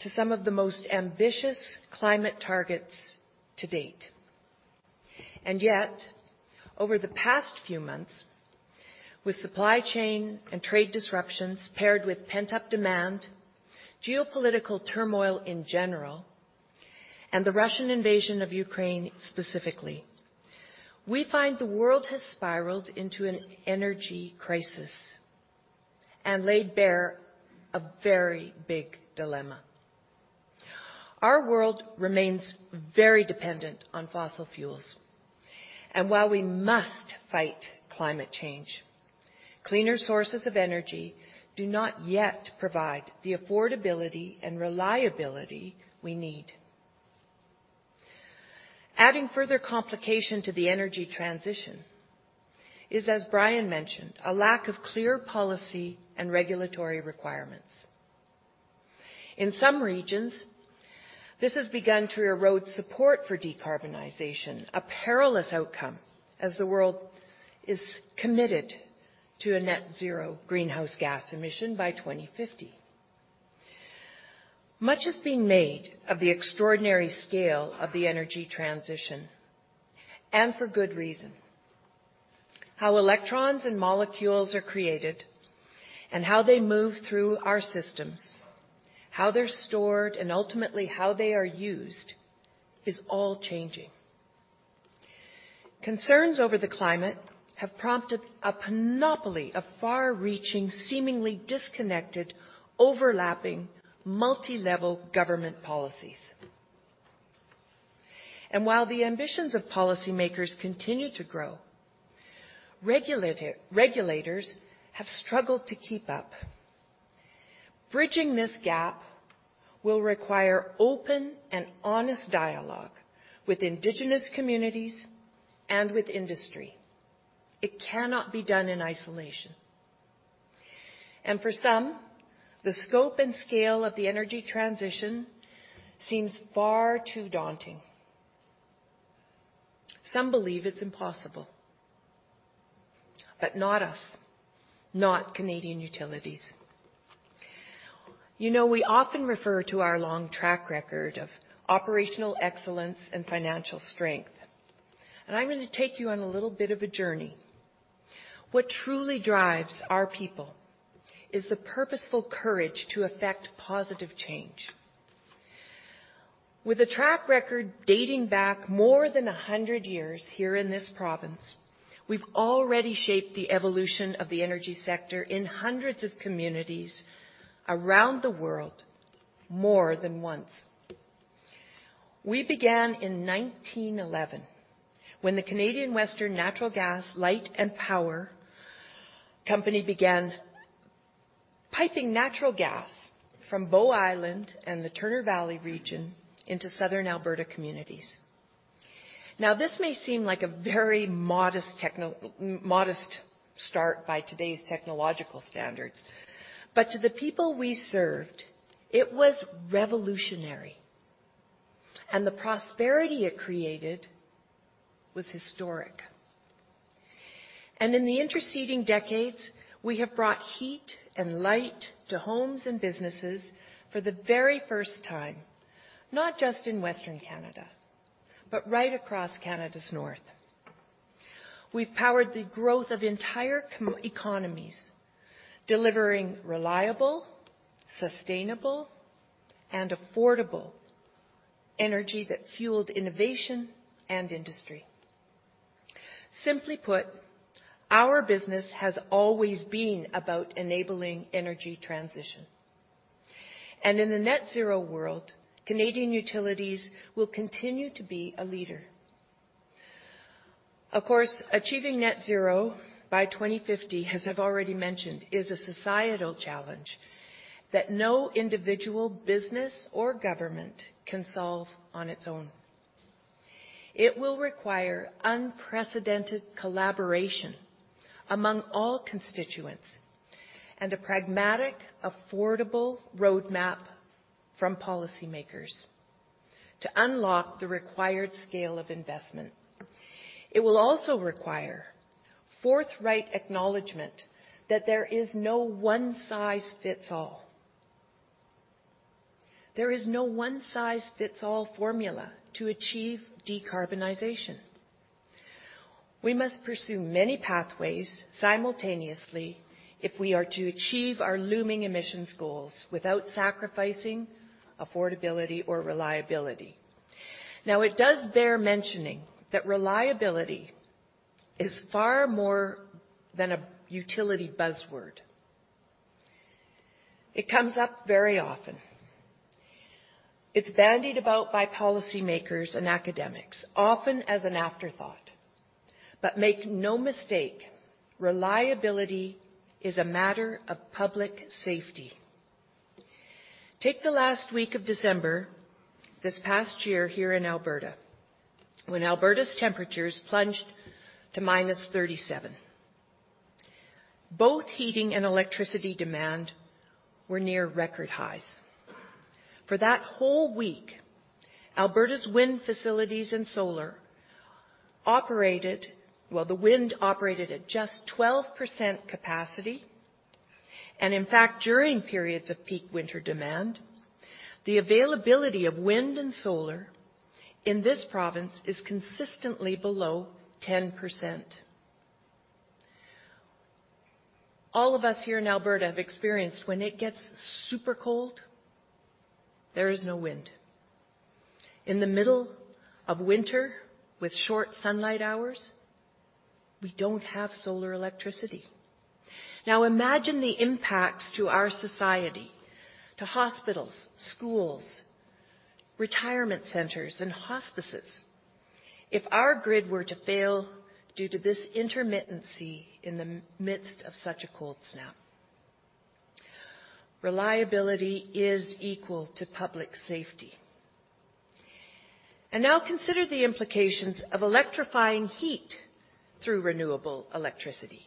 to some of the most ambitious climate targets to date. Yet, over the past few months, with supply chain and trade disruptions paired with pent-up demand, geopolitical turmoil in general, and the Russian invasion of Ukraine specifically, we find the world has spiraled into an energy crisis and laid bare a very big dilemma. Our world remains very dependent on fossil fuels, and while we must fight climate change, cleaner sources of energy do not yet provide the affordability and reliability we need. Adding further complication to the energy transition is, as Brian mentioned, a lack of clear policy and regulatory requirements. In some regions, this has begun to erode support for decarbonization, a perilous outcome as the world is committed to a net-zero greenhouse gas emission by 2050. Much has been made of the extraordinary scale of the energy transition, and for good reason. How electrons and molecules are created and how they move through our systems, how they're stored, and ultimately how they are used, is all changing. Concerns over the climate have prompted a panoply of far-reaching, seemingly disconnected, overlapping multi-level government policies. While the ambitions of policymakers continue to grow, regulators have struggled to keep up. Bridging this gap will require open and honest dialogue with Indigenous communities and with industry. It cannot be done in isolation. For some, the scope and scale of the energy transition seems far too daunting. Some believe it's impossible, but not us, not Canadian Utilities. You know, we often refer to our long track record of operational excellence and financial strength, and I'm gonna take you on a little bit of a journey. What truly drives our people is the purposeful courage to affect positive change. With a track record dating back more than 100 years here in this province, we've already shaped the evolution of the energy sector in hundreds of communities around the world more than once. We began in 1911 when the Canadian Western Natural Gas, Light, and Power Company began piping natural gas from Bow Island and the Turner Valley region into southern Alberta communities. Now, this may seem like a very modest start by today's technological standards, but to the people we served, it was revolutionary, and the prosperity it created was historic. In the interceding decades, we have brought heat and light to homes and businesses for the very first time, not just in Western Canada, but right across Canada's North. We've powered the growth of entire economies, delivering reliable, sustainable, and affordable energy that fueled innovation and industry. Simply put, our business has always been about enabling energy transition. In the net-zero world, Canadian Utilities will continue to be a leader. Of course, achieving net-zero by 2050, as I've already mentioned, is a societal challenge that no individual business or government can solve on its own. It will require unprecedented collaboration among all constituents and a pragmatic, affordable roadmap from policymakers to unlock the required scale of investment. It will also require forthright acknowledgment that there is no one-size-fits-all. There is no one-size-fits-all formula to achieve decarbonization. We must pursue many pathways simultaneously if we are to achieve our looming emissions goals without sacrificing affordability or reliability. Now, it does bear mentioning that reliability is far more than a utility buzzword. It comes up very often. It's bandied about by policymakers and academics, often as an afterthought. Make no mistake, reliability is a matter of public safety. Take the last week of December this past year here in Alberta, when Alberta's temperatures plunged to -37 degrees Celsius. Both heating and electricity demand were near record highs. For that whole week, Alberta's wind facilities and solar operated. Well, the wind operated at just 12% capacity, and in fact, during periods of peak winter demand, the availability of wind and solar in this province is consistently below 10%. All of us here in Alberta have experienced when it gets super cold, there is no wind. In the middle of winter with short sunlight hours, we don't have solar electricity. Now, imagine the impacts to our society, to hospitals, schools, retirement centers, and hospices if our grid were to fail due to this intermittency in the midst of such a cold snap. Reliability is equal to public safety. Now consider the implications of electrifying heat through renewable electricity.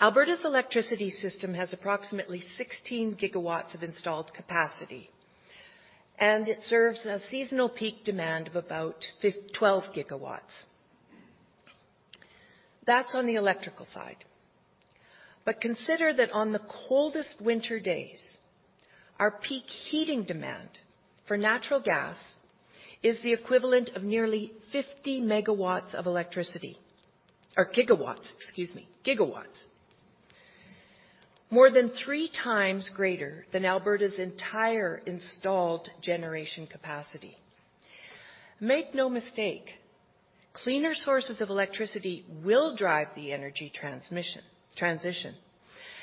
Alberta's electricity system has approximately 16 GW of installed capacity, and it serves a seasonal peak demand of about 12 GW. That's on the electrical side. Consider that on the coldest winter days, our peak heating demand for natural gas is the equivalent of nearly 50 GW of electricity, excuse me. Gigawatts. More than 3x greater than Alberta's entire installed generation capacity. Make no mistake, cleaner sources of electricity will drive the energy transition,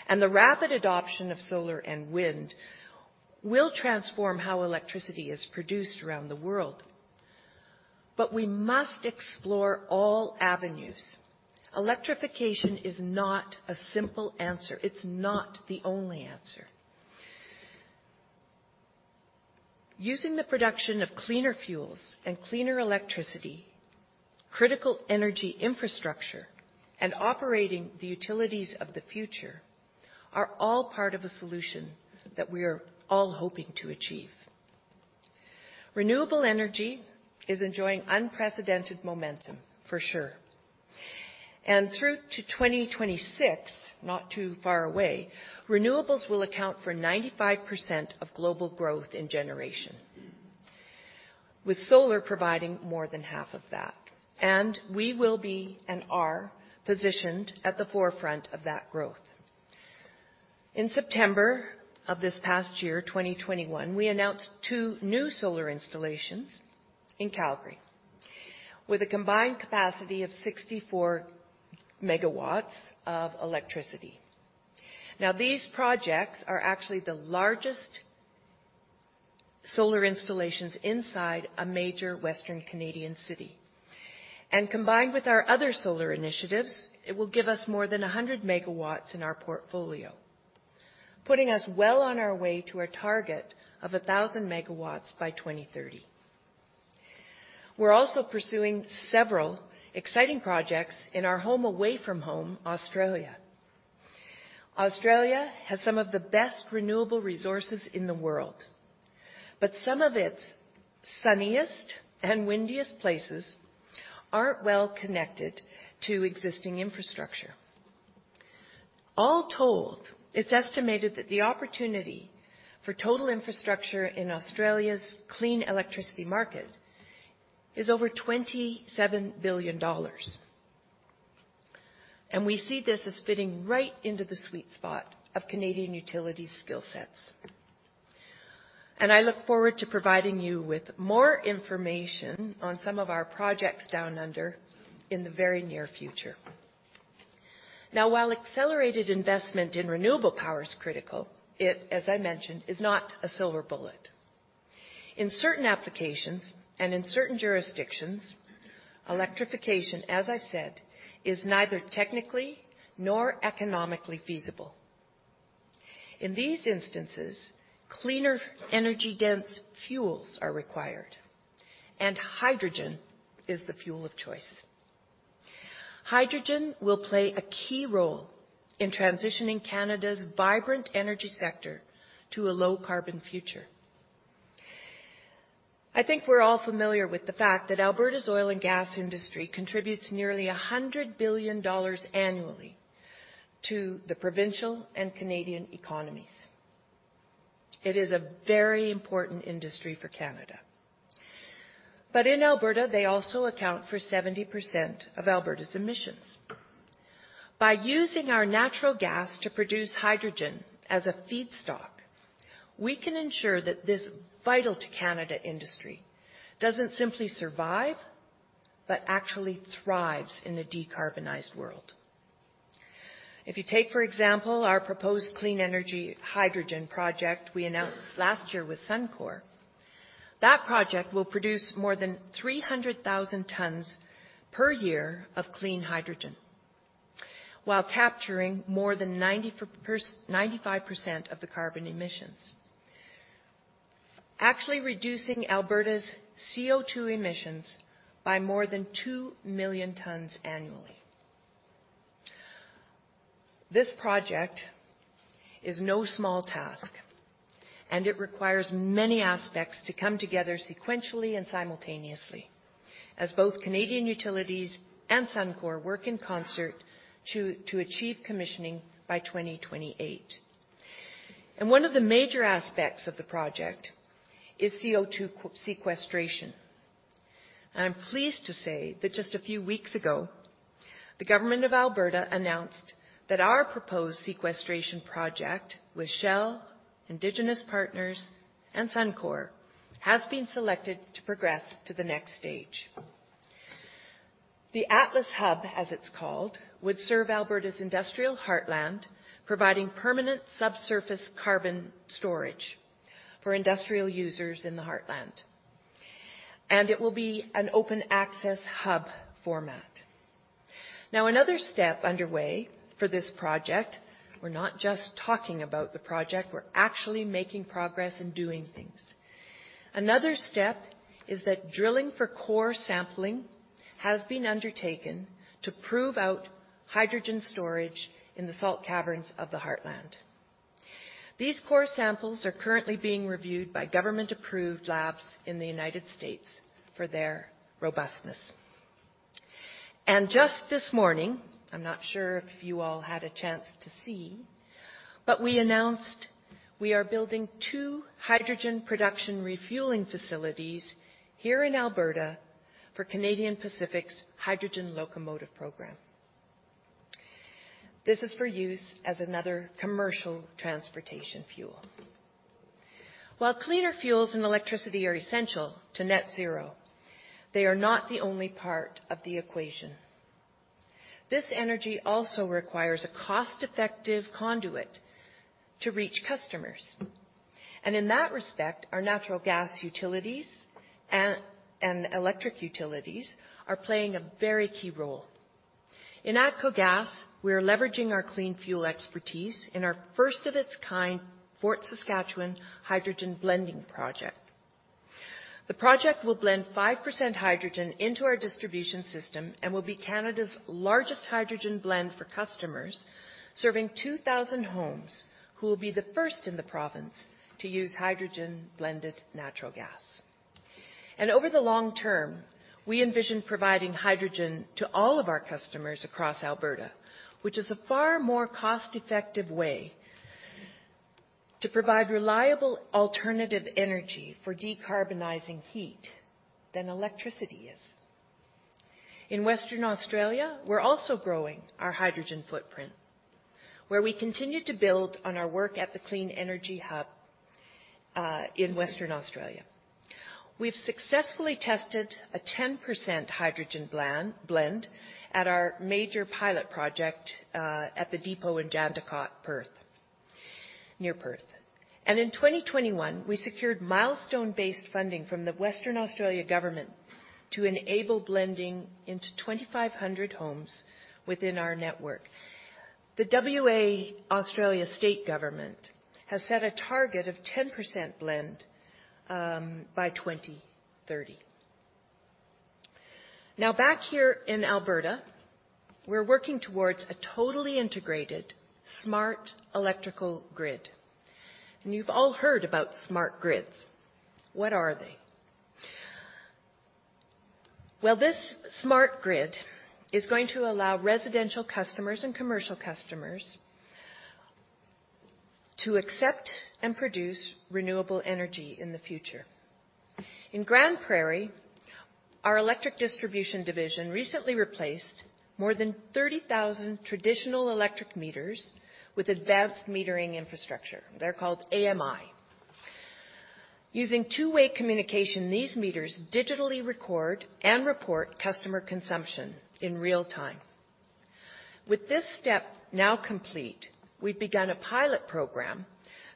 and the rapid adoption of solar and wind will transform how electricity is produced around the world. We must explore all avenues. Electrification is not a simple answer. It's not the only answer. Using the production of cleaner fuels and cleaner electricity, critical energy infrastructure, and operating the utilities of the future are all part of a solution that we are all hoping to achieve. Renewable energy is enjoying unprecedented momentum, for sure. Through to 2026, not too far away, renewables will account for 95% of global growth in generation, with solar providing more than half of that. We will be and are positioned at the forefront of that growth. In September of this past year, 2021, we announced two new solar installations in Calgary with a combined capacity of 64 MW of electricity. Now, these projects are actually the largest solar installations inside a major Western Canadian city. Combined with our other solar initiatives, it will give us more than 100 MW in our portfolio, putting us well on our way to our target of 1,000 MW by 2030. We're also pursuing several exciting projects in our home away from home, Australia. Australia has some of the best renewable resources in the world, but some of its sunniest and windiest places aren't well connected to existing infrastructure. All told, it's estimated that the opportunity for total infrastructure in Australia's clean electricity market is over 27 billion dollars, and we see this as fitting right into the sweet spot of Canadian Utilities skill sets. I look forward to providing you with more information on some of our projects down under in the very near future. Now, while accelerated investment in renewable power is critical, it, as I mentioned, is not a silver bullet. In certain applications and in certain jurisdictions, electrification, as I've said, is neither technically nor economically feasible. In these instances, cleaner energy-dense fuels are required, and hydrogen is the fuel of choice. Hydrogen will play a key role in transitioning Canada's vibrant energy sector to a low-carbon future. I think we're all familiar with the fact that Alberta's oil and gas industry contributes nearly 100 billion dollars annually to the provincial and Canadian economies. It is a very important industry for Canada. In Alberta, they also account for 70% of Alberta's emissions. By using our natural gas to produce hydrogen as a feedstock, we can ensure that this vital to Canada industry doesn't simply survive, but actually thrives in the decarbonized world. If you take, for example, our proposed clean energy hydrogen project we announced last year with Suncor, that project will produce more than 300,000 tons per year of clean hydrogen while capturing more than 95% of the carbon emissions, actually reducing Alberta's CO2 emissions by more than 2 million tons annually. This project is no small task, and it requires many aspects to come together sequentially and simultaneously as both Canadian Utilities and Suncor work in concert to achieve commissioning by 2028. One of the major aspects of the project is CO2 sequestration. I'm pleased to say that just a few weeks ago, the government of Alberta announced that our proposed sequestration project with Shell, Indigenous partners, and Suncor has been selected to progress to the next stage. The Atlas Hub, as it's called, would serve Alberta's industrial Heartland, providing permanent subsurface carbon storage for industrial users in the Heartland, and it will be an open-access hub format. Now another step underway for this project, we're not just talking about the project, we're actually making progress and doing things. Another step is that drilling for core sampling has been undertaken to prove out hydrogen storage in the salt caverns of the Heartland. These core samples are currently being reviewed by government-approved labs in the United States for their robustness. Just this morning, I'm not sure if you all had a chance to see, but we announced we are building two hydrogen production refueling facilities here in Alberta for Canadian Pacific's Hydrogen Locomotive Program. This is for use as another commercial transportation fuel. While cleaner fuels and electricity are essential to net-zero, they are not the only part of the equation. This energy also requires a cost-effective conduit to reach customers. In that respect, our natural gas utilities and electric utilities are playing a very key role. In ATCO Gas, we're leveraging our clean fuel expertise in our first of its kind Fort Saskatchewan Hydrogen Blending project. The project will blend 5% hydrogen into our distribution system and will be Canada's largest hydrogen blend for customers, serving 2,000 homes who will be the first in the province to use hydrogen-blended natural gas. Over the long term, we envision providing hydrogen to all of our customers across Alberta, which is a far more cost-effective way to provide reliable alternative energy for decarbonizing heat than electricity is. In Western Australia, we're also growing our hydrogen footprint, where we continue to build on our work at the Clean Energy Hub in Western Australia. We've successfully tested a 10% hydrogen blend at our major pilot project at the depot in Jandakot, near Perth. In 2021, we secured milestone-based funding from the Western Australia government to enable blending into 2,500 homes within our network. The WA Australia state government has set a target of 10% blend by 2030. Now back here in Alberta, we're working towards a totally integrated, smart electrical grid. You've all heard about smart grids. What are they? Well, this smart grid is going to allow residential customers and commercial customers to accept and produce renewable energy in the future. In Grande Prairie, our electric distribution division recently replaced more than 30,000 traditional electric meters with advanced metering infrastructure. They're called AMI. Using two-way communication, these meters digitally record and report customer consumption in real time. With this step now complete, we've begun a pilot program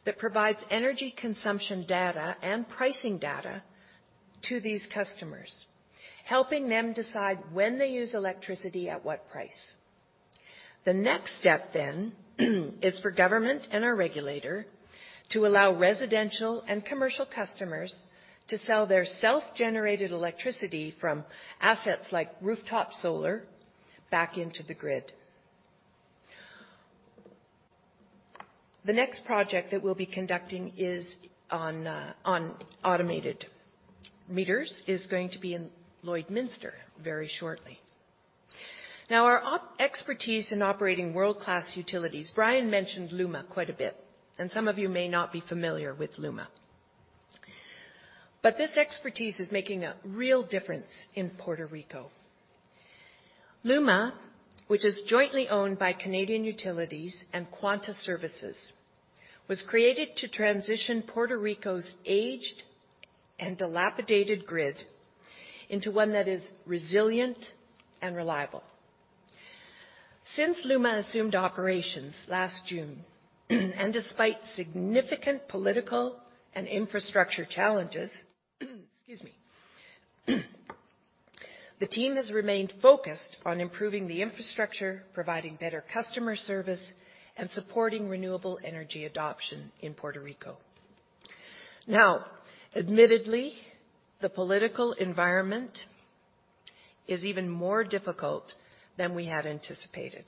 that provides energy consumption data and pricing data to these customers, helping them decide when they use electricity at what price. The next step is for government and our regulator to allow residential and commercial customers to sell their self-generated electricity from assets like rooftop solar back into the grid. The next project that we'll be conducting is on automated meters and is going to be in Lloydminster very shortly. Now, our expertise in operating world-class utilities, Brian mentioned LUMA quite a bit, and some of you may not be familiar with LUMA. This expertise is making a real difference in Puerto Rico. LUMA, which is jointly owned by Canadian Utilities and Quanta Services, was created to transition Puerto Rico's aged and dilapidated grid into one that is resilient and reliable. Since LUMA assumed operations last June, and despite significant political and infrastructure challenges, excuse me, the team has remained focused on improving the infrastructure, providing better customer service, and supporting renewable energy adoption in Puerto Rico. Now, admittedly, the political environment is even more difficult than we had anticipated,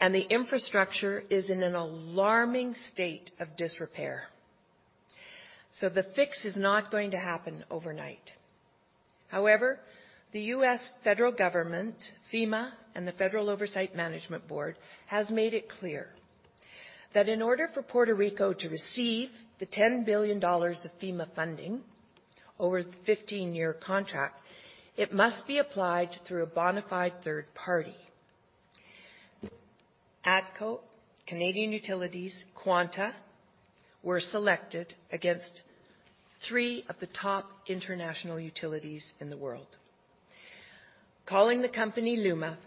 and the infrastructure is in an alarming state of disrepair. The fix is not going to happen overnight. However, the U.S. federal government, FEMA, and the Financial Oversight and Management Board has made it clear that in order for Puerto Rico to receive the $10 billion of FEMA funding over the 15-year contract, it must be applied through a bona fide third party. ATCO, Canadian Utilities, Quanta were selected against three of the top international utilities in the world. Calling the company LUMA,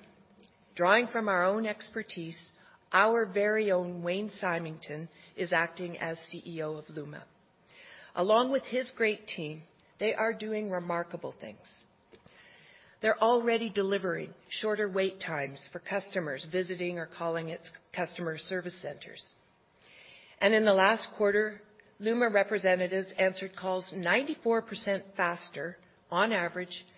drawing from our own expertise, our very own Wayne Stensby is acting as CEO of LUMA. Along with his great team, they are doing remarkable things. They're already delivering shorter wait times for customers visiting or calling its customer service centers. In the last quarter, LUMA representatives answered calls 94% faster on average, and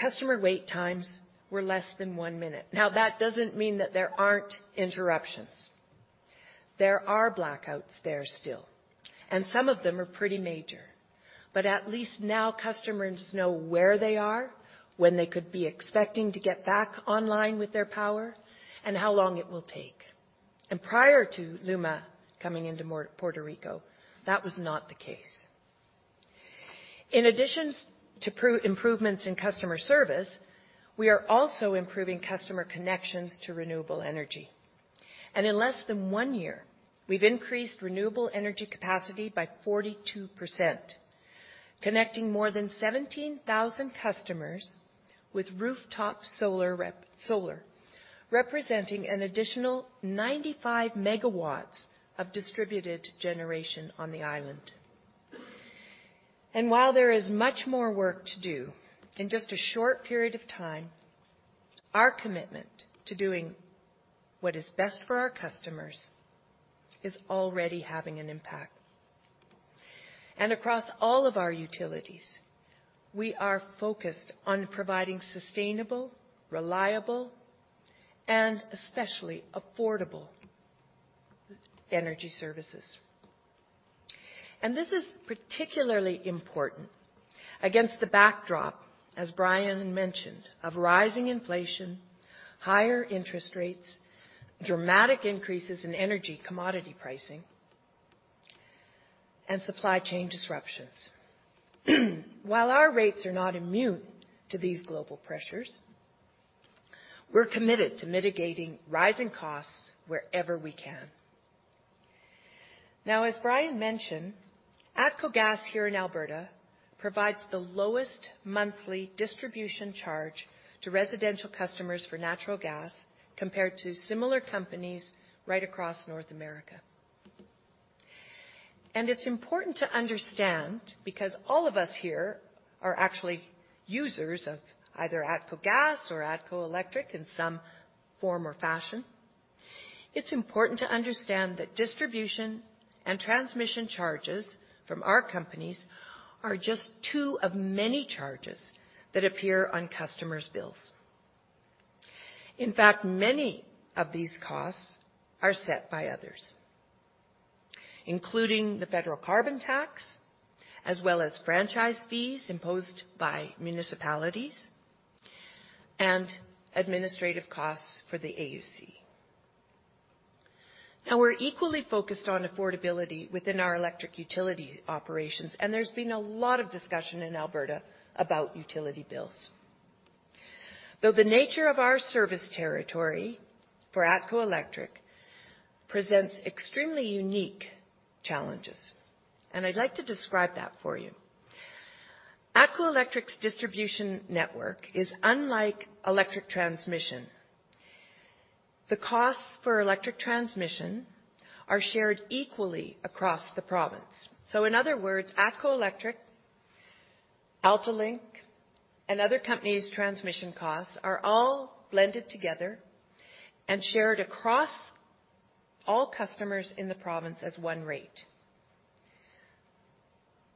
customer wait times were less than one minute. Now, that doesn't mean that there aren't interruptions. There are blackouts there still, and some of them are pretty major. At least now customers know where they are, when they could be expecting to get back online with their power, and how long it will take. Prior to LUMA coming into Puerto Rico, that was not the case. In addition to improvements in customer service, we are also improving customer connections to renewable energy. In less than one year, we've increased renewable energy capacity by 42%, connecting more than 17,000 customers with rooftop solar, representing an additional 95 MW of distributed generation on the island. While there is much more work to do, in just a short period of time, our commitment to doing what is best for our customers is already having an impact. Across all of our utilities, we are focused on providing sustainable, reliable, and especially affordable energy services. This is particularly important against the backdrop, as Brian mentioned, of rising inflation, higher interest rates, dramatic increases in energy commodity pricing, and supply chain disruptions. While our rates are not immune to these global pressures, we're committed to mitigating rising costs wherever we can. Now, as Brian mentioned, ATCO Gas here in Alberta provides the lowest monthly distribution charge to residential customers for natural gas compared to similar companies right across North America. It's important to understand, because all of us here are actually users of either ATCO Gas or ATCO Electric in some form or fashion. It's important to understand that distribution and transmission charges from our companies are just two of many charges that appear on customers' bills. In fact, many of these costs are set by others, including the federal carbon tax, as well as franchise fees imposed by municipalities, and administrative costs for the AUC. Now we're equally focused on affordability within our electric utility operations, and there's been a lot of discussion in Alberta about utility bills. Though the nature of our service territory for ATCO Electric presents extremely unique challenges, and I'd like to describe that for you. ATCO Electric's distribution network is unlike electric transmission. The costs for electric transmission are shared equally across the province. So in other words, ATCO Electric, AltaLink, and other companies' transmission costs are all blended together and shared across all customers in the province as one rate.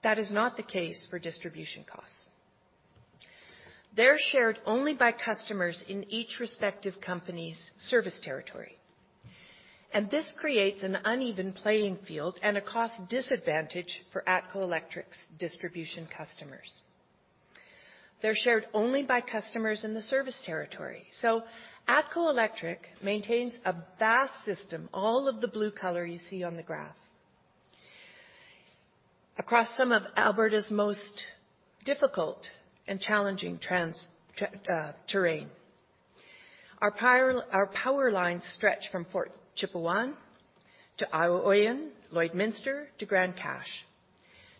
That is not the case for distribution costs. They're shared only by customers in each respective company's service territory. This creates an uneven playing field and a cost disadvantage for ATCO Electric's distribution customers. They're shared only by customers in the service territory. ATCO Electric maintains a vast system, all of the blue color you see on the graph, across some of Alberta's most difficult and challenging terrain. Our power lines stretch from Fort Chipewyan to Oyen, Lloydminster to Grande Cache,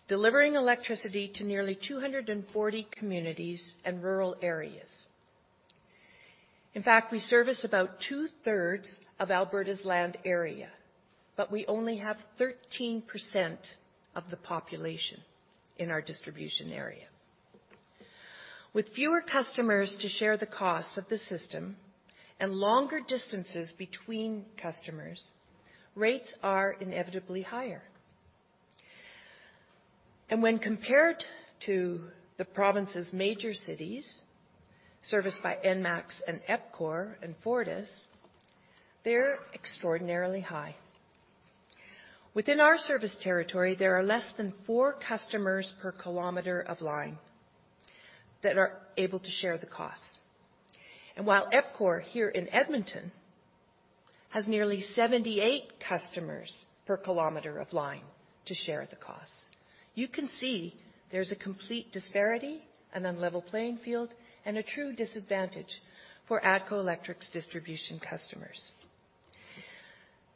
delivering electricity to nearly 240 communities and rural areas. In fact, we service about 2/3 of Alberta's land area, but we only have 13% of the population in our distribution area. With fewer customers to share the costs of the system and longer distances between customers, rates are inevitably higher. When compared to the province's major cities serviced by ENMAX and EPCOR and Fortis, they're extraordinarily high. Within our service territory, there are less than four customers per kilometer of line that are able to share the costs. While EPCOR here in Edmonton has nearly 78 customers per kilometer of line to share the costs, you can see there's a complete disparity, an unlevel playing field, and a true disadvantage for ATCO Electric's distribution customers.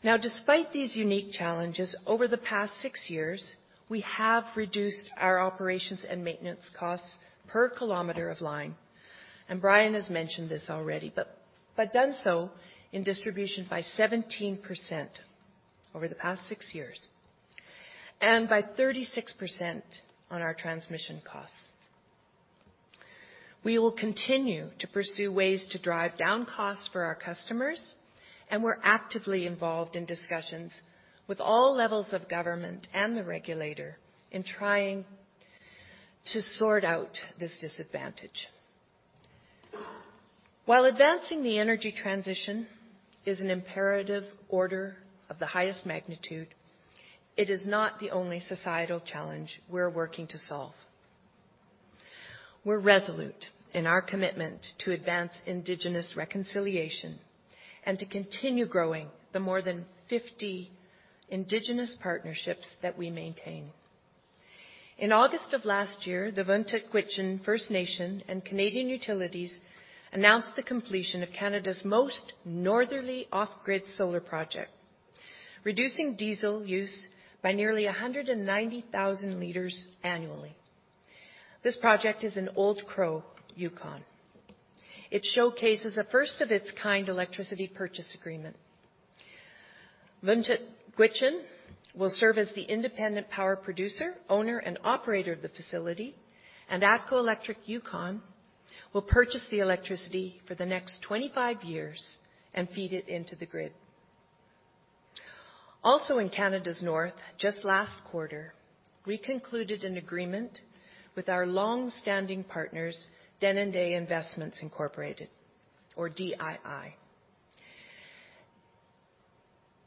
Now, despite these unique challenges, over the past six years, we have reduced our operations and maintenance costs per kilometer of line, and Brian has mentioned this already, but done so in distribution by 17% over the past six years, and by 36% on our transmission costs. We will continue to pursue ways to drive down costs for our customers, and we're actively involved in discussions with all levels of government and the regulator in trying to sort out this disadvantage. While advancing the energy transition is an imperative order of the highest magnitude, it is not the only societal challenge we're working to solve. We're resolute in our commitment to advance Indigenous reconciliation and to continue growing the more than 50 Indigenous partnerships that we maintain. In August of last year, the Vuntut Gwitchin First Nation and Canadian Utilities announced the completion of Canada's most northerly off-grid solar project, reducing diesel use by nearly 190,000 L annually. This project is in Old Crow, Yukon. It showcases a first-of-its-kind electricity purchase agreement. Vuntut Gwitchin will serve as the independent power producer, owner, and operator of the facility, and ATCO Electric Yukon will purchase the electricity for the next 25 years and feed it into the grid. Also, in Canada's north, just last quarter, we concluded an agreement with our long-standing partners, Denendeh Investments Incorporated, or DII.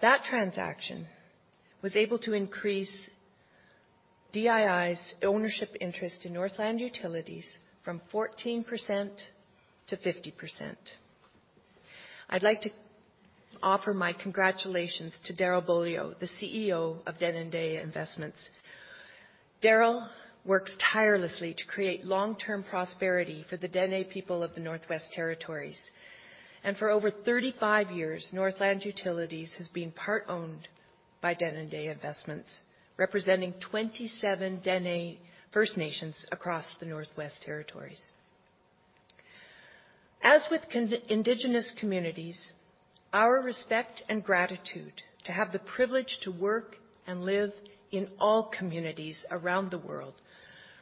That transaction was able to increase DII's ownership interest in Northland Utilities from 14% to 50%. I'd like to offer my congratulations to Darrell Beaulieu, the CEO of Denendeh Investments. Darrell works tirelessly to create long-term prosperity for the Dene people of the Northwest Territories. For over 35 years, Northland Utilities has been part-owned by Denendeh Investments, representing 27 Dene First Nations across the Northwest Territories. As with Indigenous communities, our respect and gratitude to have the privilege to work and live in all communities around the world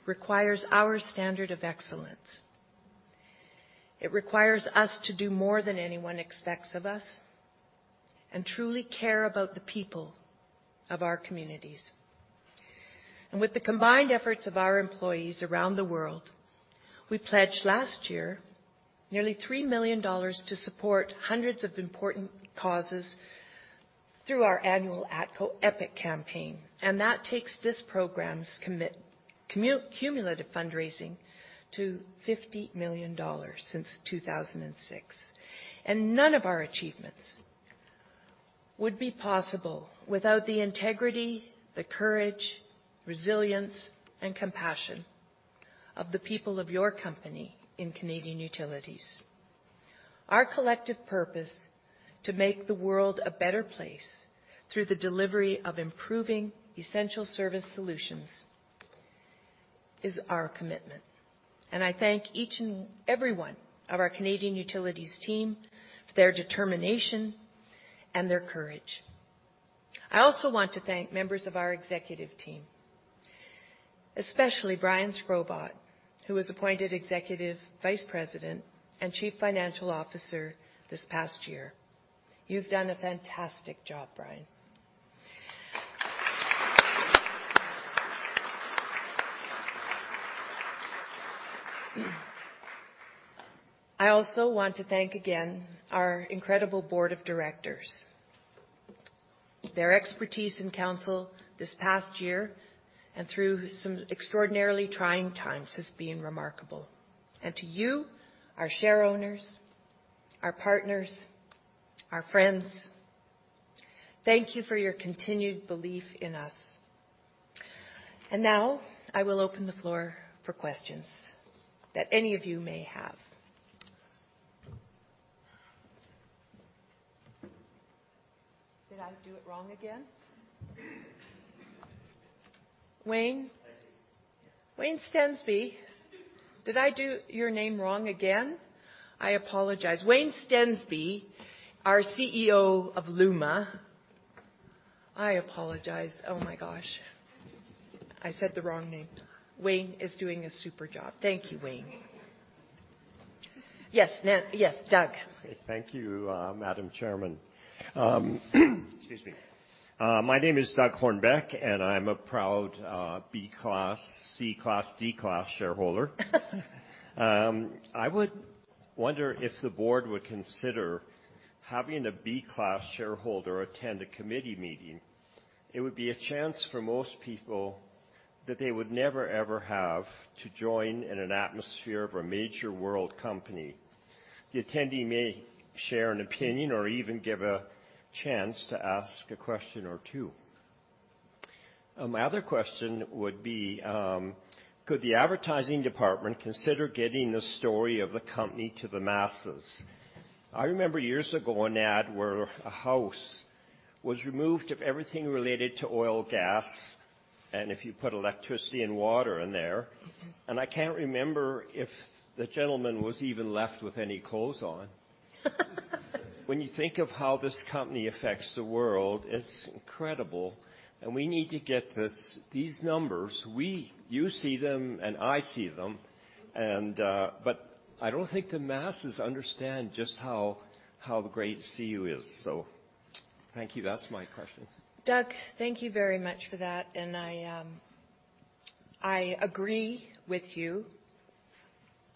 requires our standard of excellence. It requires us to do more than anyone expects of us and truly care about the people of our communities. With the combined efforts of our employees around the world, we pledged last year nearly 3 million dollars to support hundreds of important causes through our annual ATCO EPIC Campaign, and that takes this program's cumulative fundraising to 50 million dollars since 2006. None of our achievements would be possible without the integrity, the courage, resilience, and compassion of the people of your company in Canadian Utilities. Our collective purpose to make the world a better place through the delivery of improving essential service solutions is our commitment, and I thank each and every one of our Canadian Utilities team for their determination and their courage. I also want to thank members of our executive team, especially Brian Shkrobot, who was appointed Executive Vice President and Chief Financial Officer this past year. You've done a fantastic job, Brian. I also want to thank again our incredible Board of Directors. Their expertise and counsel this past year and through some extraordinarily trying times has been remarkable. To you, our shareowners, our partners, our friends, thank you for your continued belief in us. Now I will open the floor for questions that any of you may have. Did I do it wrong again? Wayne? Wayne Stensby. Did I do your name wrong again? I apologize. Wayne Stensby, our CEO of LUMA. I apologize. Oh my gosh. I said the wrong name. Wayne is doing a super job. Thank you, Wayne. Yes, Doug. Thank you, Madame Chairman. Excuse me. My name is Doug Hornbeck, and I'm a proud Class B, Class C, Class D shareholder. I would wonder if the board would consider having a Class B shareholder attend a committee meeting. It would be a chance for most people that they would never, ever have to join in an atmosphere of a major world company. The attendee may share an opinion or even give a chance to ask a question or two. My other question would be, could the advertising department consider getting the story of the company to the masses? I remember years ago, an ad where a house was removed of everything related to oil, gas, and if you put electricity and water in there, and I can't remember if the gentleman was even left with any clothes on. When you think of how this company affects the world, it's incredible, and we need to get this, these numbers. You see them, and I see them, and, but I don't think the masses understand just how great CU is. Thank you. That's my questions. Doug, thank you very much for that. I agree with you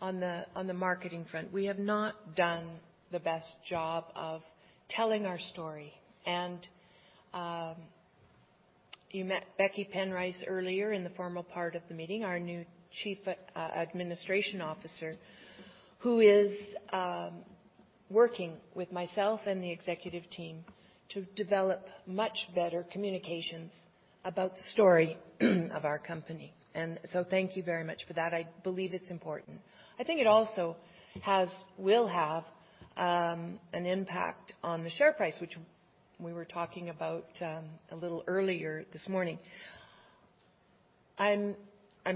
on the marketing front. We have not done the best job of telling our story. You met Becky Penrice earlier in the formal part of the meeting, our new Chief Administration Officer, who is working with myself and the executive team to develop much better communications about the story of our company. Thank you very much for that. I believe it's important. I think it also will have an impact on the share price, which we were talking about a little earlier this morning. I'm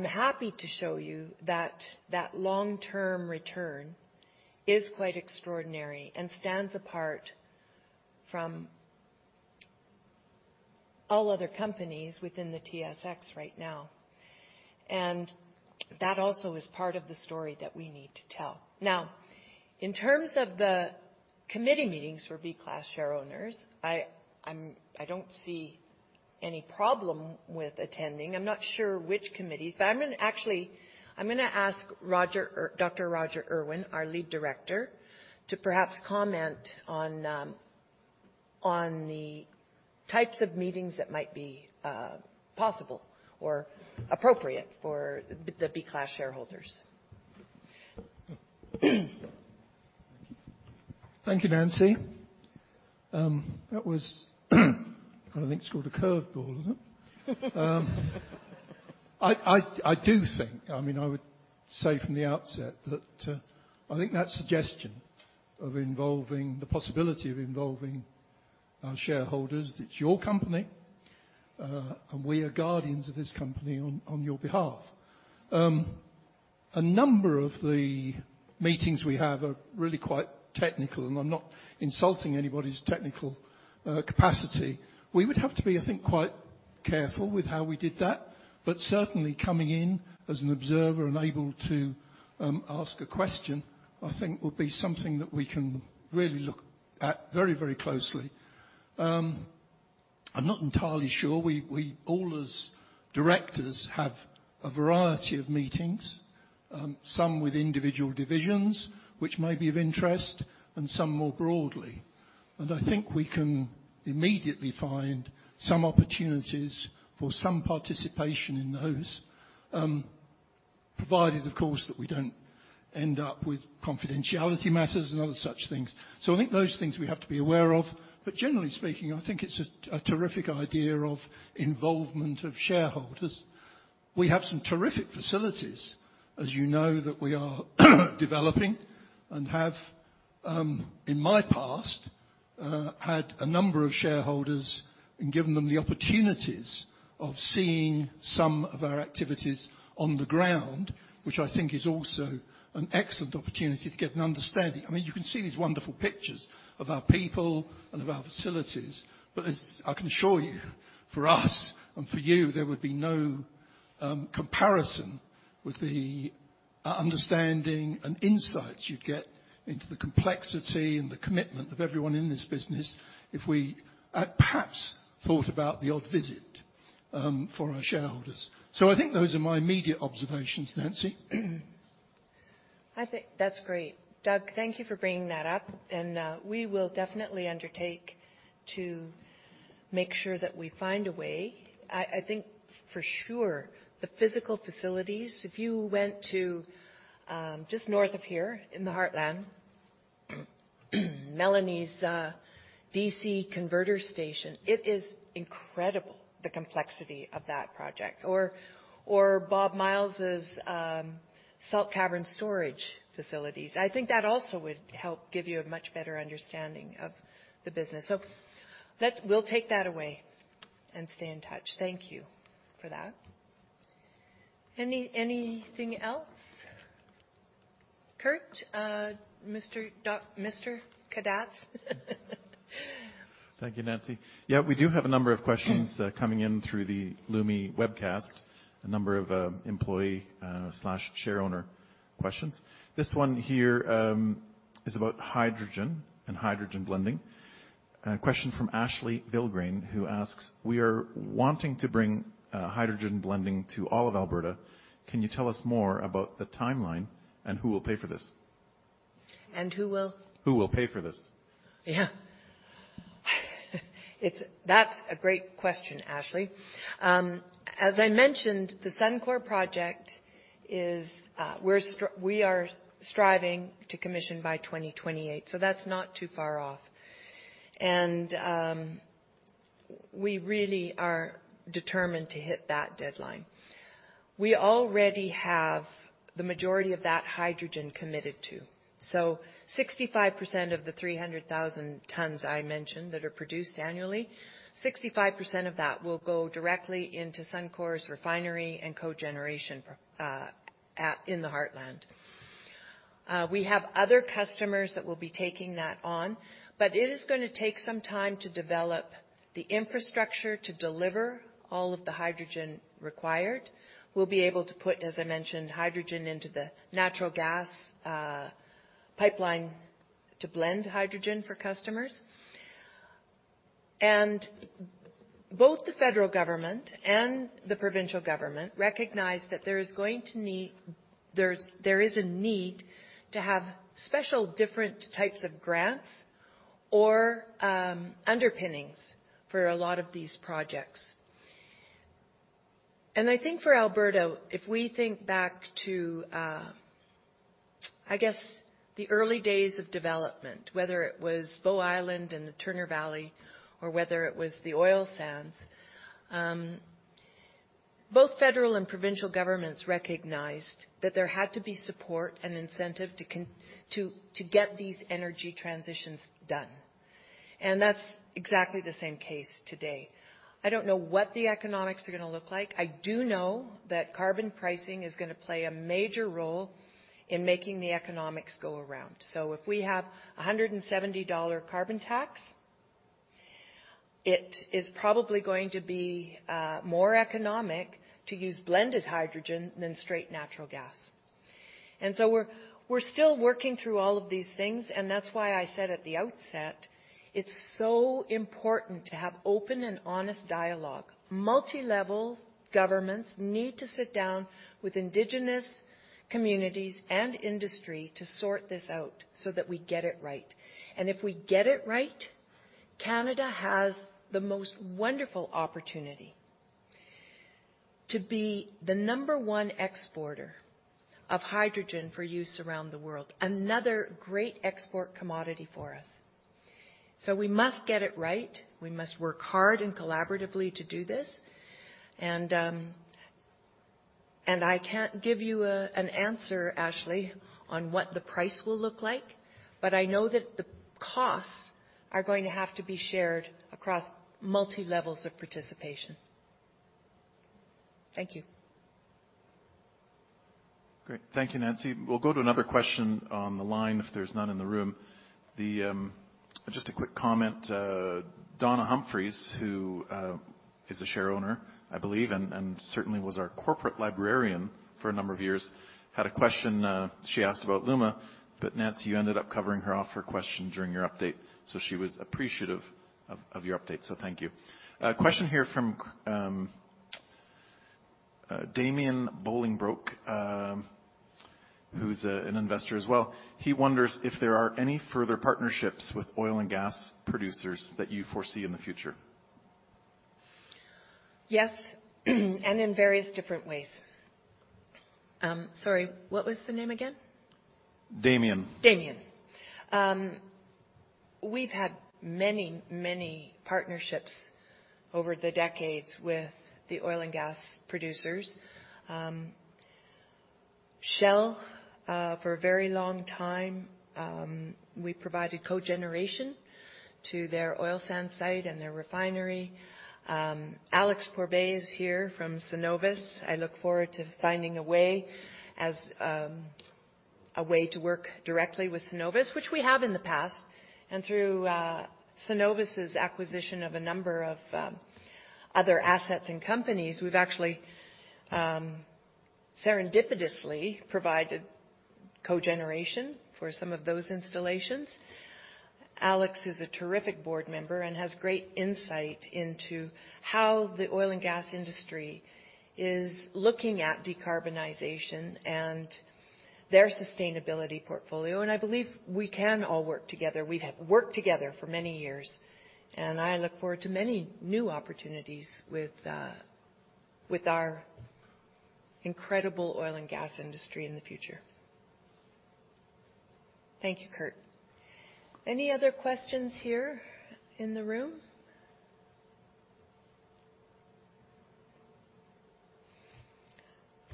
happy to show you that long-term return is quite extraordinary and stands apart from all other companies within the TSX right now. That also is part of the story that we need to tell. Now, in terms of the committee meetings for B class shareowners, I don't see any problem with attending. I'm not sure which committees, but I'm gonna ask Dr. Roger Urwin, our lead director, to perhaps comment on the types of meetings that might be possible or appropriate for the B class shareholders. Thank you, Nancy. That was, I think it's called a curveball, isn't it? I do think, I mean, I would say from the outset that I think that suggestion of involving our shareholders, it's your company, and we are guardians of this company on your behalf. A number of the meetings we have are really quite technical, and I'm not insulting anybody's technical capacity. We would have to be, I think, quite careful with how we did that. Certainly coming in as an observer and able to ask a question, I think would be something that we can really look at very, very closely. I'm not entirely sure. We all as directors have a variety of meetings, some with individual divisions which may be of interest, and some more broadly. I think we can immediately find some opportunities for some participation in those. Provided, of course, that we don't end up with confidentiality matters and other such things. I think those things we have to be aware of. Generally speaking, I think it's a terrific idea of involvement of shareholders. We have some terrific facilities, as you know, that we are developing and have, in my past, had a number of shareholders and given them the opportunities of seeing some of our activities on the ground, which I think is also an excellent opportunity to get an understanding. I mean, you can see these wonderful pictures of our people and of our facilities, but as I can assure you, for us and for you, there would be no comparison with the understanding and insights you'd get into the complexity and the commitment of everyone in this business if we perhaps thought about the odd visit for our shareholders. I think those are my immediate observations, Nancy. I think that's great. Doug, thank you for bringing that up, and we will definitely undertake to make sure that we find a way. I think for sure the physical facilities, if you went to just north of here in the Heartland, Melanie's DC converter station, it is incredible the complexity of that project or Bob Myles' salt cavern storage facilities. I think that also would help give you a much better understanding of the business. We'll take that away and stay in touch. Thank you for that. Anything else? Kurt, Mr. Kadatz? Thank you, Nancy. Yeah, we do have a number of questions coming in through the LUMA webcast, a number of employee slash shareowner questions. This one here is about hydrogen and hydrogen blending. A question from Ashley Vilgrain who asks, "We are wanting to bring hydrogen blending to all of Alberta. Can you tell us more about the timeline and who will pay for this? Who will? Who will pay for this? Yeah. That's a great question, Ashley. As I mentioned, the Suncor project is, we are striving to commission by 2028, so that's not too far off. We really are determined to hit that deadline. We already have the majority of that hydrogen committed to. 65% of the 300,000 tons I mentioned that are produced annually, 65% of that will go directly into Suncor's refinery and cogeneration in the Heartland. We have other customers that will be taking that on, but it is gonna take some time to develop the infrastructure to deliver all of the hydrogen required. We'll be able to put, as I mentioned, hydrogen into the natural gas pipeline to blend hydrogen for customers. Both the federal government and the provincial government recognize that there is a need to have special different types of grants or underpinnings for a lot of these projects. I think for Alberta, if we think back to, I guess, the early days of development, whether it was Bow Island and the Turner Valley or whether it was the oil sands, both federal and provincial governments recognized that there had to be support and incentive to get these energy transitions done. That's exactly the same case today. I don't know what the economics are gonna look like. I do know that carbon pricing is gonna play a major role in making the economics go around. If we have 170 dollar carbon tax, it is probably going to be more economic to use blended hydrogen than straight natural gas. We're still working through all of these things, and that's why I said at the outset, it's so important to have open and honest dialogue. Multi-level governments need to sit down with Indigenous communities and industry to sort this out so that we get it right. If we get it right, Canada has the most wonderful opportunity to be the number one exporter of hydrogen for use around the world. Another great export commodity for us. We must get it right. We must work hard and collaboratively to do this. I can't give you an answer, Ashley, on what the price will look like, but I know that the costs are going to have to be shared across multi-levels of participation. Thank you. Great. Thank you, Nancy. We'll go to another question on the line if there's none in the room. Just a quick comment. Donna Humphreys, who is a shareowner, I believe, and certainly was our corporate librarian for a number of years, had a question, she asked about LUMA, but Nancy, you ended up covering off her question during your update, so she was appreciative of your update. Thank you. A question here from Damien Bolingbroke, who's an investor as well. He wonders if there are any further partnerships with oil and gas producers that you foresee in the future. Yes in various different ways. Sorry, what was the name again? Damian. Damian. We've had many partnerships over the decades with the oil and gas producers. Shell, for a very long time, we provided cogeneration to their oil sand site and their refinery. Alex Pourbaix is here from Cenovus. I look forward to finding a way as a way to work directly with Cenovus, which we have in the past. Through Cenovus' acquisition of a number of other assets and companies, we've actually serendipitously provided cogeneration for some of those installations. Alex is a terrific board member and has great insight into how the oil and gas industry is looking at decarbonization and their sustainability portfolio. I believe we can all work together. We have worked together for many years, and I look forward to many new opportunities with our incredible oil and gas industry in the future. Thank you, Kurt. Any other questions here in the room?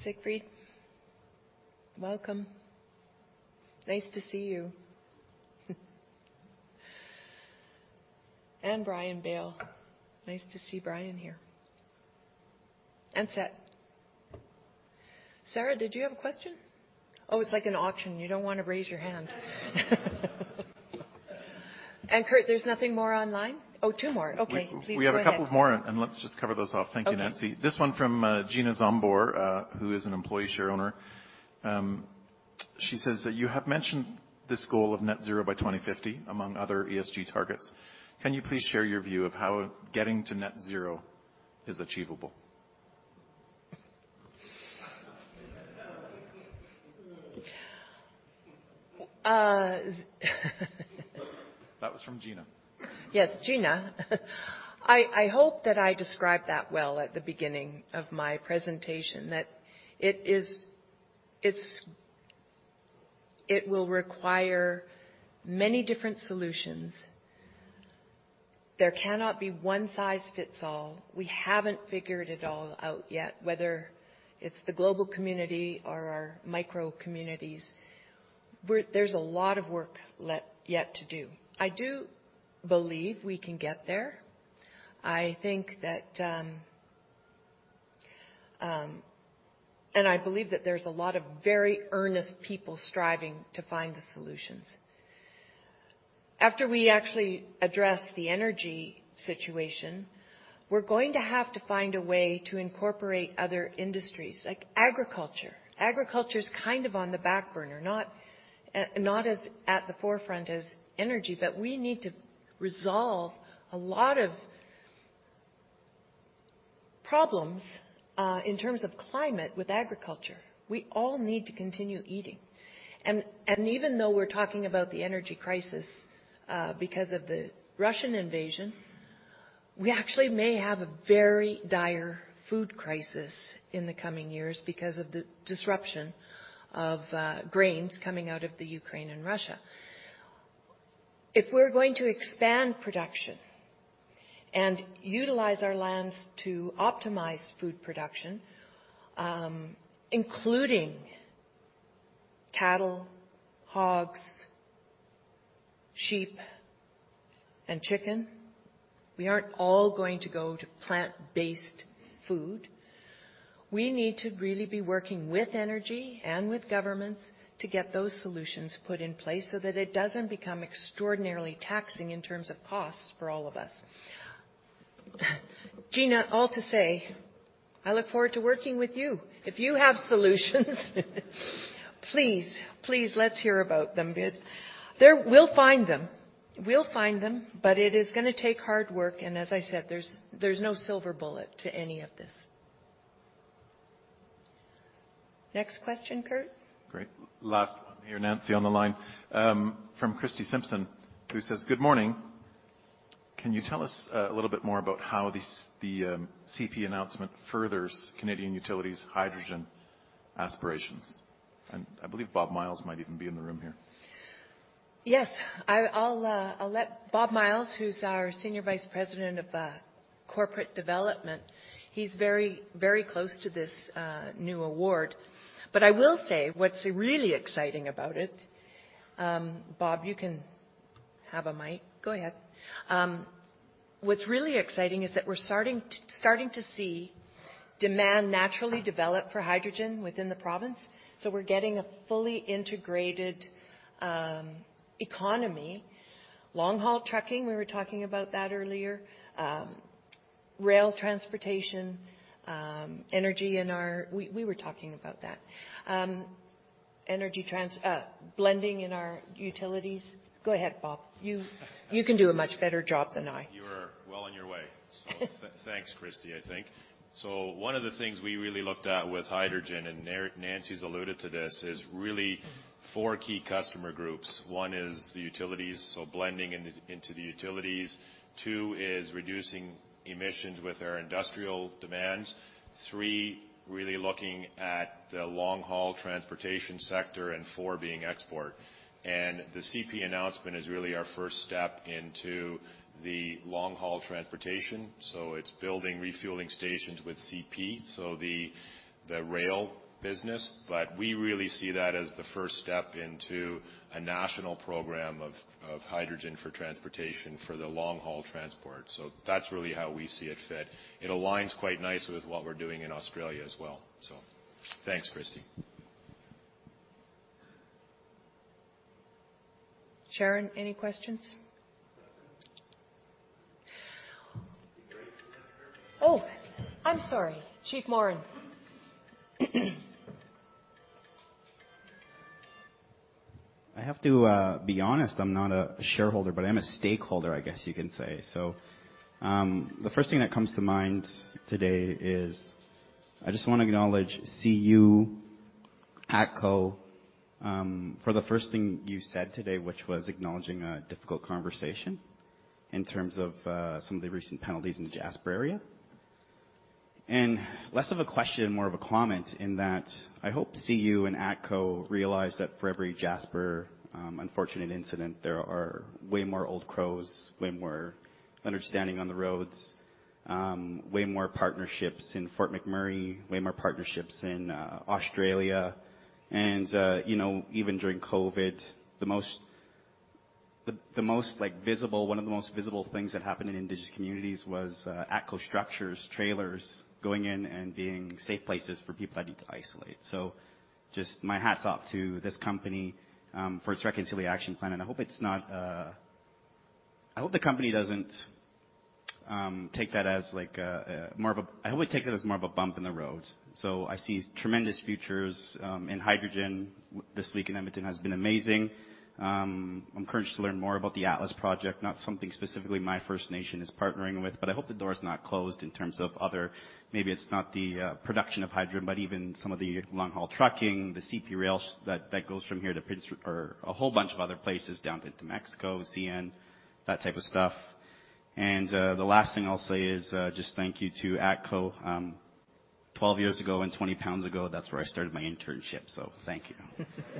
Siegfried, welcome. Nice to see you. Brian Bale. Nice to see Brian here. Seth. Sarah, did you have a question? Oh, it's like an auction. You don't wanna raise your hand. Kurt, there's nothing more online? Oh, two more. Okay. Please go ahead. We have a couple more, and let's just cover those off. Thank you, Nancy. Okay. This one from Gina Zsombor, who is an Employee Shareowner. She says that you have mentioned this goal of net-zero by 2050 among other ESG targets. Can you please share your view of how getting to net-zero is achievable? Uh. That was from Gina. Yes, Gina. I hope that I described that well at the beginning of my presentation, that it will require many different solutions. There cannot be one size fits all. We haven't figured it all out yet, whether it's the global community or our micro-communities. There's a lot of work yet to do. I do believe we can get there. I think that I believe that there's a lot of very earnest people striving to find the solutions. After we actually address the energy situation, we're going to have to find a way to incorporate other industries like agriculture. Agriculture is kind of on the back burner, not as much at the forefront as energy, but we need to resolve a lot of problems in terms of climate with agriculture. We all need to continue eating. Even though we're talking about the energy crisis because of the Russian invasion, we actually may have a very dire food crisis in the coming years because of the disruption of grains coming out of the Ukraine and Russia. If we're going to expand production and utilize our lands to optimize food production, including cattle, hogs, sheep, and chicken. We aren't all going to go to plant-based food. We need to really be working with energy and with governments to get those solutions put in place so that it doesn't become extraordinarily taxing in terms of costs for all of us. Gina, all to say, I look forward to working with you. If you have solutions, please let's hear about them because there we'll find them. We'll find them, but it is gonna take hard work, and as I said, there's no silver bullet to any of this. Next question, Kurt. Great. Last one here, Nancy, on the line from Christie Simpson, who says, "Good morning. Can you tell us a little bit more about how this, the CP announcement furthers Canadian Utilities hydrogen aspirations?" I believe Bob Myles might even be in the room here. Yes. I'll let Bob Myles, who's our Senior Vice President of Corporate Development. He's very close to this new award. I will say what's really exciting about it. Bob, you can have a mic. Go ahead. What's really exciting is that we're starting to see demand naturally develop for hydrogen within the province. We're getting a fully integrated economy. Long-haul trucking, we were talking about that earlier. Rail transportation, energy in our. We were talking about that. Energy transition, blending in our utilities. Go ahead, Bob. You can do a much better job than I. Thanks, Christie, I think. One of the things we really looked at with hydrogen, and Nancy's alluded to this, is really four key customer groups. One is the utilities, so blending in, into the utilities. Two is reducing emissions with our industrial demands. Three, really looking at the long-haul transportation sector. Four being export. The CP announcement is really our first step into the long-haul transportation, so it's building refueling stations with CP, so the rail business. We really see that as the first step into a national program of hydrogen for transportation for the long-haul transport. That's really how we see it fit. It aligns quite nicely with what we're doing in Australia as well. Thanks, Christie. Sharon, any questions? Nothing. Oh, I'm sorry. Chief Morin. I have to be honest, I'm not a shareholder, but I'm a stakeholder, I guess you can say. The first thing that comes to mind today is I just wanna acknowledge CU, ATCO, for the first thing you said today, which was acknowledging a difficult conversation in terms of some of the recent penalties in the Jasper area. Less of a question, more of a comment in that I hope to see you and ATCO realize that for every Jasper unfortunate incident, there are way more Old Crow's, way more understanding on the roads, way more partnerships in Fort McMurray, way more partnerships in Australia. You know, even during COVID, one of the most visible things that happened in Indigenous communities was ATCO structures, trailers going in and being safe places for people that need to isolate. Just my hats off to this company for its reconciliation plan, and I hope the company doesn't take that as more of a bump in the road. I see tremendous futures in hydrogen. This week in Edmonton has been amazing. I'm encouraged to learn more about the Atlas project, not something specifically my First Nation is partnering with, but I hope the door is not closed in terms of other. Maybe it's not the production of hydrogen, but even some of the long-haul trucking, the CP Rail that goes from here or a whole bunch of other places down to Mexico, CN, that type of stuff. The last thing I'll say is just thank you to ATCO. 12 years ago and 20 pounds ago, that's where I started my internship, so thank you. Thank you,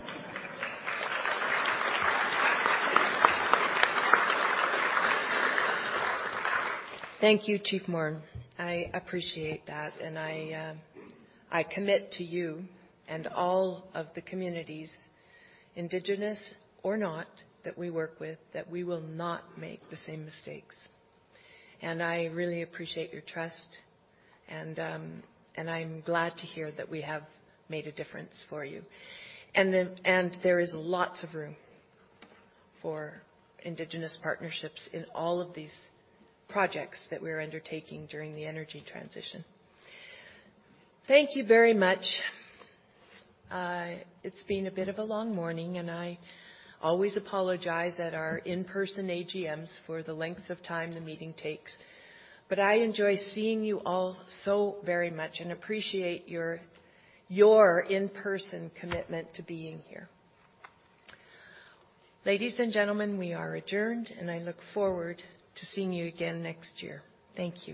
Chief Morin. I appreciate that, and I commit to you and all of the communities, Indigenous or not, that we work with, that we will not make the same mistakes. I really appreciate your trust, and I'm glad to hear that we have made a difference for you. There is lots of room for Indigenous partnerships in all of these projects that we're undertaking during the energy transition. Thank you very much. It's been a bit of a long morning, and I always apologize at our in-person AGMs for the length of time the meeting takes. I enjoy seeing you all so very much and appreciate your in-person commitment to being here. Ladies and gentlemen, we are adjourned, and I look forward to seeing you again next year. Thank you.